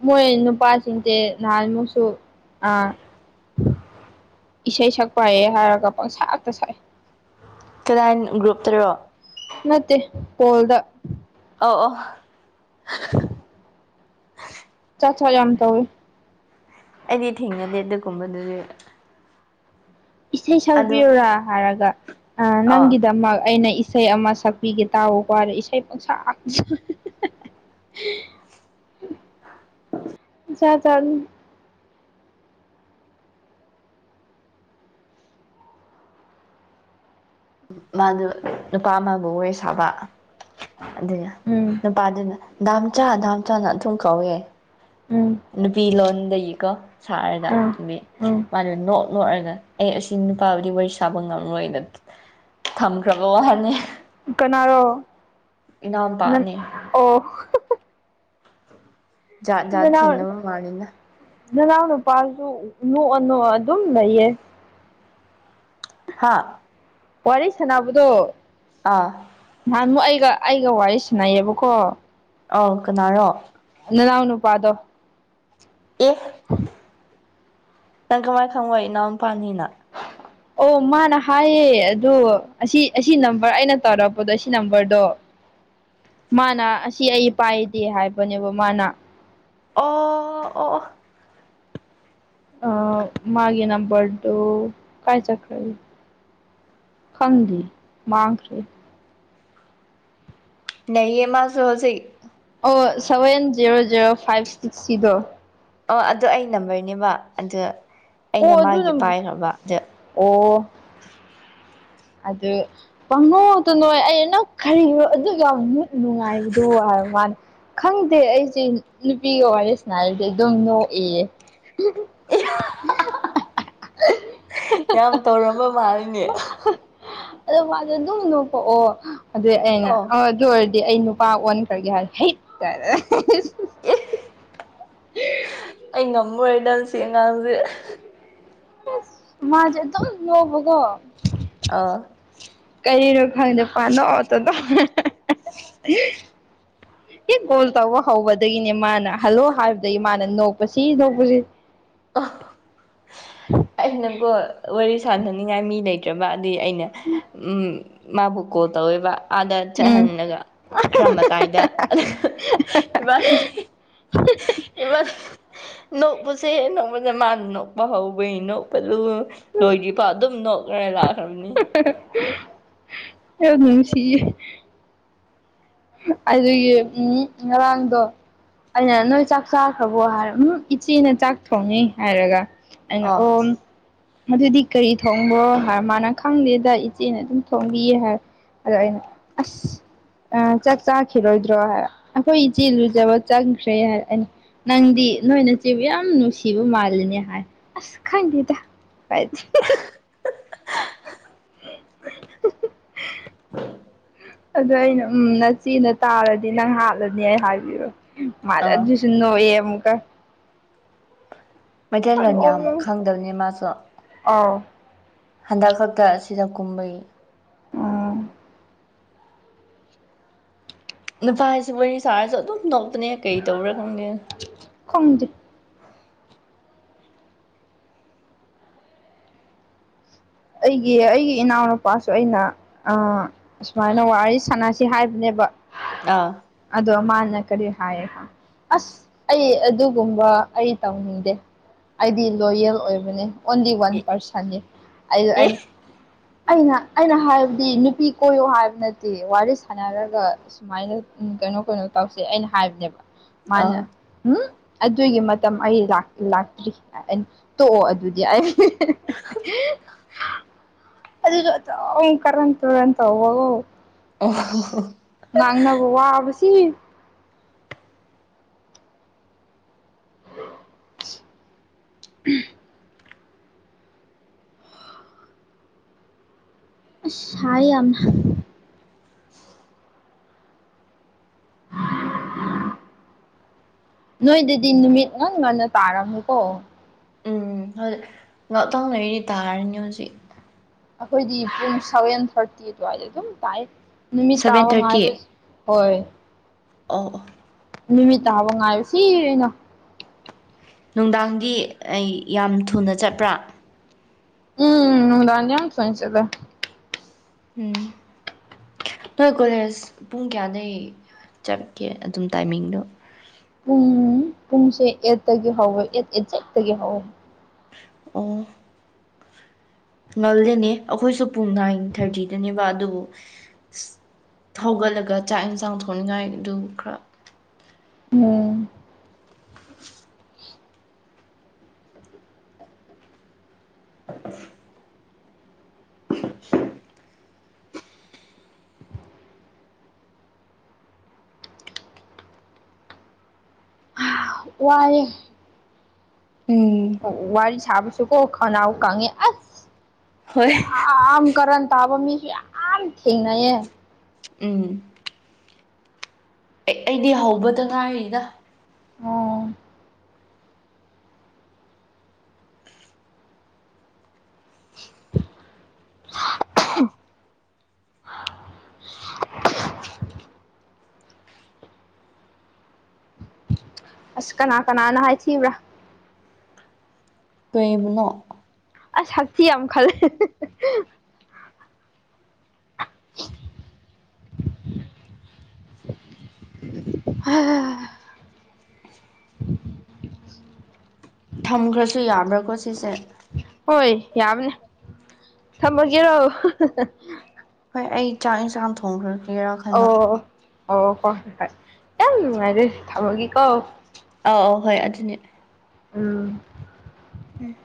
ꯃꯣꯏ ꯅꯨꯄꯥꯁꯤꯡꯁꯦ ꯅꯍꯥꯟꯃꯨꯛꯁꯨ ꯑꯥ ꯏꯁꯩ ꯁꯛꯄꯥꯏꯌꯦꯦ ꯍꯥꯏꯔꯒ ꯄꯪꯁꯥ ꯉꯥꯛꯇ ꯁꯥꯏ ꯀꯗꯥꯏ ꯒ꯭ꯔꯨꯞꯇꯔꯣ ꯅꯠꯇꯦ ꯐꯣꯜꯗ ꯑꯣ ꯑꯣ ꯆꯠꯆꯥꯥ ꯌꯥꯝ ꯇꯧꯕꯨ ꯑꯩꯗꯤ ꯊꯦꯡꯅꯗꯦ ꯑꯗꯨꯒꯨꯝꯕꯗꯨꯗꯤ ꯏꯁꯩ ꯑꯗꯨ ꯁꯛꯄꯤꯌꯨꯔꯥ ꯍꯥꯏꯔꯒ ꯑꯥ ꯅꯪꯒꯤꯗꯃꯛ ꯑꯩꯅ ꯏꯁꯩ ꯑꯃ ꯁꯛꯄꯤꯒꯦ ꯇꯥꯎꯀꯣꯗꯣ ꯏꯁꯩ ꯄꯪꯁꯥ ꯆ ꯆ ꯃꯥꯗꯨ ꯅꯨꯄꯥ ꯑꯃꯕꯨ ꯑꯣꯏ ꯁꯥꯕ ꯑꯗꯨꯅ ꯎꯝ ꯅꯨꯄꯥꯗꯨꯅ ꯗꯥꯝ ꯆꯥ ꯗꯥꯝ ꯆꯥꯅ ꯑꯗꯨꯨꯝ ꯀꯧꯋꯦ ꯎꯝ ꯅꯨꯄꯤ ꯂꯣꯟꯗꯒꯤꯀꯣ ꯁꯥꯍꯔꯗ ꯎꯝ ꯎꯝ ꯃꯥꯅ ꯂꯣꯏꯔꯒ ꯑꯩ ꯑꯁꯤ ꯅꯨꯄꯥꯕꯨꯗꯤ ꯋꯥꯔꯤ ꯁꯥꯕ ꯉꯝꯔꯣꯏꯅ ꯊꯝꯈ꯭ꯔꯕ ꯋꯥꯍꯅꯤ ꯀꯅꯥꯔꯣ ꯅꯟ ꯏꯅꯥꯎꯄꯥꯅꯦ ꯑꯣ ꯖꯥ ꯖꯥꯠ ꯅꯅꯥꯎ ꯊꯦꯡꯅꯕꯅꯕ ꯃꯥꯅꯤꯅ ꯅꯅꯥꯎ ꯅꯨꯄꯥꯁꯨ ꯅꯣꯛꯑ ꯅꯣꯛꯑ ꯑꯗꯨꯝ ꯂꯩꯌꯦ ꯍꯥꯥ ꯋꯥꯔꯤ ꯁꯅꯕꯗꯣ ꯑꯥ ꯑꯃꯨꯛ ꯑꯩꯒ ꯑꯩꯒ ꯋꯥꯔꯤ ꯁꯥꯟꯅꯩꯌꯦꯕꯀꯣ ꯑ ꯀꯅꯥꯔꯣ ꯅꯅꯥꯎ ꯅꯨꯨꯄꯥꯥꯗꯣ ꯑꯦ ꯅꯪ ꯀꯃꯥꯏꯅ ꯈꯪꯕꯏ ꯏꯅꯥꯎꯅꯄꯥꯥꯅꯤꯅ ꯑꯣ ꯃꯥꯅ ꯍꯥꯏꯌꯦ ꯑꯗ ꯑꯁꯤ ꯑꯁꯤ ꯅꯝꯕꯔ ꯑꯩꯅ ꯇꯧꯔꯛꯄꯗꯣ ꯁꯤ ꯅꯝꯕꯔꯗꯣ ꯃꯥꯅ ꯑꯁꯤ ꯑꯩ ꯄꯥꯏꯗꯦ ꯍꯥꯏꯕꯅꯦꯕ ꯃꯥꯅ ꯑꯣ ꯑ ꯑ ꯃꯥꯒꯤꯦꯅꯥ ꯔꯣ ꯀꯥꯏ ꯆ ꯀꯔꯤ ꯐꯟꯗꯤ ꯃꯥꯡꯈꯔꯦ ꯅꯌꯦ ꯃꯥꯁꯨꯍꯁꯩ ꯑꯣ seven zero zero five six ꯁꯤꯗꯣ ꯑꯣ ꯑꯗꯨꯣ ꯑꯩ ꯅꯝꯕꯔꯅꯦꯕ ꯑꯗꯨ ꯑꯣ ꯑꯗꯨ ꯑꯗꯨ ꯅ ꯑꯣ ꯑꯗꯨ ꯄꯪꯉꯣꯗ ꯅ ꯑꯩ ꯑ ꯅꯛ ꯈꯜꯂꯤꯣ ꯑꯗꯨꯒ ꯅꯨꯡꯉꯥꯏꯕꯗꯨ ꯃꯥꯅꯤ ꯈꯪꯗꯦ ꯑꯩꯁꯦ ꯅꯨꯄꯤꯒ ꯋꯥꯔꯤꯁꯤꯅ ꯍꯥꯏꯔꯗꯤ ꯑꯗꯨꯝ ꯅꯣꯛꯏꯌꯦ ꯌꯥꯝ ꯇꯧꯔꯝꯕ ꯃꯥꯜꯂꯤꯅꯦ ꯑꯗꯣ ꯋꯥꯗꯣ ꯑꯗꯨꯝ ꯅꯣꯛꯄꯣꯛꯑꯣ ꯑꯗꯨꯗꯤ ꯑꯩꯅ ꯑꯣ ꯑꯗꯨ ꯑꯣꯏꯔꯗꯤ ꯗꯤ ꯑꯩ ꯅꯨꯄꯥ ꯑꯣꯟꯈ꯭ꯔꯒꯦ ꯍꯥꯏ ꯍꯩ ꯑꯩ ꯉꯝꯃꯣꯏꯗ ꯁꯤ ꯑꯉꯥꯡꯁꯦ ꯃꯥꯖꯗꯣ ꯂꯣꯒꯣ ꯑꯥ ꯀꯔꯤꯔꯣ ꯈꯪꯗ ꯄꯥꯟꯗ ꯑꯇꯗ ꯌꯦ ꯣꯜ ꯇꯕ ꯋꯥ ꯍꯕꯗ ꯃꯥꯅ ꯍꯜꯂꯣ ꯍꯥꯏꯕꯗ ꯏꯃꯥꯅ ꯅꯣꯛꯄ ꯁꯤ ꯅꯣꯛꯄꯁꯤ ꯑ ꯅꯪꯀꯣ ꯋꯥꯔꯤ ꯁꯥꯟꯅꯅꯤꯡꯉꯥꯏ ꯃꯤ ꯂꯩꯇ꯭ꯔꯕ ꯑꯗꯨꯗꯤ ꯑꯩꯅ ꯃꯥꯕꯨ ꯀꯣꯜ ꯇꯧꯋꯦꯕ ꯑꯥꯗ ꯎꯝ ꯆꯠꯍꯜꯂꯒ ꯈꯔ ꯃꯇꯥꯏꯗ ꯏꯃꯁꯤ ꯏꯕ ꯅꯣꯛꯄꯁꯦ ꯍꯦ ꯅꯣꯛꯄꯁꯦ ꯃꯥꯅ ꯅꯣꯛꯄ ꯍꯧꯕꯩ ꯅꯣꯛꯄꯂꯨ ꯂꯣꯏꯗꯤꯕ ꯑꯗꯨꯝ ꯅꯣꯛꯈ꯭ꯔ ꯂꯥꯛꯑꯦ ꯑ ꯁꯤ ꯑꯗꯨꯒꯤ ꯎꯝ ꯉꯔꯥꯡꯗꯣ ꯑꯗꯨꯅ ꯅꯣꯏ ꯆꯥꯛ ꯆꯥꯈ꯭ꯔꯕꯣ ꯍꯥꯏꯔ ꯎꯝ ꯏꯆꯦꯅ ꯆꯥꯛ ꯊꯣꯡꯉꯤ ꯍꯥꯏꯔꯒ ꯑꯩꯅ ꯑ ꯑꯣꯝ ꯑꯗꯨꯗꯤ ꯀꯔꯤ ꯊꯣꯡꯕꯣ ꯍꯥꯏ ꯃꯥꯅ ꯈꯪꯗꯦꯗ ꯏꯆꯦꯅ ꯑꯗꯨꯝ ꯊꯣꯡꯕꯤꯌꯦ ꯍꯥꯏ ꯑꯗꯣ ꯑꯩꯅ ꯑꯁ ꯑ ꯆꯥꯛ ꯆꯥꯈꯤꯔꯣꯏꯗ꯭ꯔꯣ ꯍꯥꯏ ꯑꯩꯈꯣꯏ ꯏꯆꯤ ꯂꯨꯖꯕ ꯆ ꯈ꯭ꯔꯦ ꯍꯥꯏꯔꯛꯑꯅꯤ ꯅꯪꯗꯤ ꯅꯣꯏꯅ ꯆꯦꯕꯨ ꯌꯥꯝ ꯅꯨꯡꯁꯤꯕ ꯃꯥꯜꯂꯤꯅꯦ ꯍꯥꯏ ꯑꯁ ꯈꯪꯗꯦꯗ ꯀꯥꯏ [inaudible] ꯑꯗꯨꯗ ꯑꯩꯅ ꯎꯝ ꯅꯆꯦꯅ ꯇꯥꯔꯗꯤ ꯅꯪ ꯍꯥꯠꯂꯅꯤ ꯑꯩ ꯍꯥꯏꯕꯤꯌꯨ ꯃꯥꯖꯥ ꯑꯥ ꯁꯟ ꯅꯌꯦ ꯑꯃꯨꯀ ꯃꯩꯇꯩꯂꯣꯟ ꯌꯥꯝ ꯈꯪꯗꯕꯅꯤ ꯃꯥꯁꯨ ꯑꯥꯎ ꯍꯟꯗꯛ ꯈꯛꯇ ꯁꯤꯗ ꯀꯨꯝꯕꯩ ꯎꯝ ꯅꯨꯄꯥ ꯍꯥꯏꯁꯤ ꯃꯣꯏꯅꯤ ꯁꯥꯔꯁꯨ ꯑꯗꯨꯝ ꯅꯣꯛꯇꯅꯦ ꯀꯩ ꯇꯧꯕꯔꯥ ꯈꯪꯗꯦꯅ ꯈꯪꯖ ꯑꯩꯒꯤ ꯑꯩꯒꯤ ꯏꯅꯥꯎꯅꯨꯄꯥꯁꯨ ꯑꯩꯅ ꯑꯁꯨꯃꯥꯏꯅ ꯋꯥꯔꯤ ꯁꯥꯟꯅꯁꯤ ꯍꯥꯏꯕꯅꯦꯕ ꯑꯥ ꯑꯗꯣ ꯃꯥꯅꯤ ꯀꯔꯤ ꯍꯥꯏꯣ ꯑꯁ ꯑꯩ ꯑꯗꯨꯒꯨꯝꯕ ꯑꯩ ꯇꯧꯅꯤꯡꯗꯦ ꯑꯩꯗꯤ ꯂꯣꯌꯦꯜ ꯑꯣꯏꯕꯅꯦ ꯑꯣꯟꯂꯤ ꯋꯥꯟ ꯄꯥꯔꯁꯟꯅꯤ ꯑꯩ ꯑꯦ ꯑꯩꯅ ꯑꯩꯅ ꯍꯥꯏꯕꯗꯤ ꯅꯨꯄꯤ ꯀꯣꯏꯌꯣ ꯍꯥꯏꯕ ꯅꯠꯇꯦ ꯋꯥꯔꯤ ꯁꯥꯟꯅꯔꯒ ꯁꯨꯃꯥꯏꯅ ꯎꯝ ꯀꯩꯅꯣ ꯀꯩꯅꯣ ꯇꯧꯁꯦ ꯑꯩꯅ ꯍꯥꯏꯕꯅꯦꯕ ꯃꯥꯅ ꯑꯥ ꯎꯝ ꯑꯗꯨꯒꯤ ꯃꯇꯝ ꯑꯩ ꯂꯥꯛꯇ꯭ꯔꯤ ꯇꯣꯛꯑꯣ ꯑꯗꯨꯗꯤ ꯑꯩ ꯑꯗꯨ ꯀꯔ ꯇ ꯇꯧꯔ ꯇ ꯋꯥ ꯑꯣ ꯉꯥꯡꯅꯕ ꯋꯥꯕꯁꯤ [inaudible] ꯁꯔ ꯌꯥꯝꯅ [unintelligible] ꯅꯣꯏꯗꯗꯤ ꯅꯨꯃꯤꯠ ꯉꯥꯟ ꯉꯟꯅ ꯇꯥꯔꯝꯃꯨꯀꯣ ꯎꯝ ꯂꯣꯛꯇꯥꯎ ꯂꯩꯔꯤꯗꯤ ꯇꯥꯔꯅꯤ ꯍꯧꯖꯤꯛ ꯑꯩꯈꯣꯏꯗꯤ ꯄꯨꯡ ꯁꯚꯦꯟ ꯊꯥꯔꯇꯤ ꯑꯗꯨꯋꯥꯏꯗ ꯑꯗꯨꯝ ꯇꯥꯛ ꯅꯨꯃꯤꯠ ꯁꯚꯦꯟ ꯇꯥꯕ ꯉꯥꯏꯕꯁ ꯍꯣꯏ ꯑ ꯅꯨꯃꯤꯠꯇ ꯍꯥꯕ ꯉꯥꯏꯔꯁꯤ ꯑꯩꯅ ꯅꯨꯡꯗꯥꯡꯗꯤ ꯑꯩ ꯌꯥꯝ ꯊꯨꯅ ꯆꯠꯄ꯭ꯔꯥ ꯎꯝ ꯎꯗꯥ ꯆꯅꯤꯆꯗꯦ ꯎꯝ ꯅꯣꯏ ꯀꯣꯂꯦꯖ ꯄꯨꯡ ꯀꯌꯥꯗꯒꯤꯩ ꯆꯠꯀꯦ ꯑꯗꯨꯝ ꯇꯥꯏꯃꯤꯡꯗꯣ ꯄꯨꯡ ꯄꯨꯡꯁꯦ ꯑꯦꯠꯇꯒꯤ ꯍꯧꯋꯦ ꯑꯦꯠ ꯑꯦꯠꯁꯦꯠꯇꯒꯤ ꯍꯧꯋꯦ ꯑꯣ ꯉꯜꯗꯦꯅꯦ ꯑꯩꯈꯣꯏꯁꯨ ꯄꯨꯡ ꯅꯥꯏꯟ ꯊꯥꯔꯇꯤꯗꯅꯦꯕ ꯑꯗꯨꯕꯨ ꯊꯒꯠꯂꯒ ꯆꯥꯛ ꯌꯦꯟꯁꯥꯡ ꯊꯣꯡꯅꯤꯡꯉꯥꯏ ꯑꯗꯨ ꯈꯔ ꯎꯝ [unintelligible] [unintelligible] ꯋꯥꯔ ꯎꯝ ꯋꯥ ꯋꯥꯔꯤ ꯁꯥꯕꯁꯨ ꯀꯣ ꯈꯅꯎ ꯀꯉꯦ ꯑ ꯍꯣꯏ ꯑꯝ ꯀ ꯇꯥꯕ ꯃꯤꯁꯤ ꯌꯥꯝꯝ ꯊꯦꯡꯅꯌꯦꯦ ꯎꯝ ꯑꯦ ꯑꯩꯗꯤ ꯍꯧꯕꯇ ꯉꯥꯏꯔꯤꯗ ꯑꯣ [unintelligible] [unintelligible] ꯑꯁ ꯀꯅꯥ ꯀꯅꯥꯅ ꯍꯥꯏ ꯊꯤꯕ꯭ꯔꯥ ꯀꯕꯅꯣ ꯑꯁꯁꯤꯤ ꯌꯥꯝ ꯌꯥꯝ ꯈꯂꯦ [unintelligible] ꯍ [unintelligible] ꯊꯝꯈ꯭ꯔꯁꯨ ꯌꯥꯕ꯭ꯔꯥꯀꯣ ꯁꯤꯁꯦ ꯍꯣꯏ ꯌꯥꯕꯅꯦ ꯊꯝꯃꯒꯦꯔꯣ ꯍꯣꯏ ꯑꯩ ꯆꯥꯛ ꯏꯟꯁꯥꯡ ꯊꯣꯡꯈ꯭ꯔꯒꯒꯦꯔꯥꯈꯟꯗ ꯑꯣ ꯑꯣ ꯍꯣꯏ ꯍꯣꯏ ꯌꯥꯝ ꯑꯗꯤ ꯊꯃꯒ ꯀꯣ ꯑꯥꯎ ꯑꯧ ꯍꯣꯏ ꯑꯗꯨꯅꯦ ꯎꯝ ꯎꯝ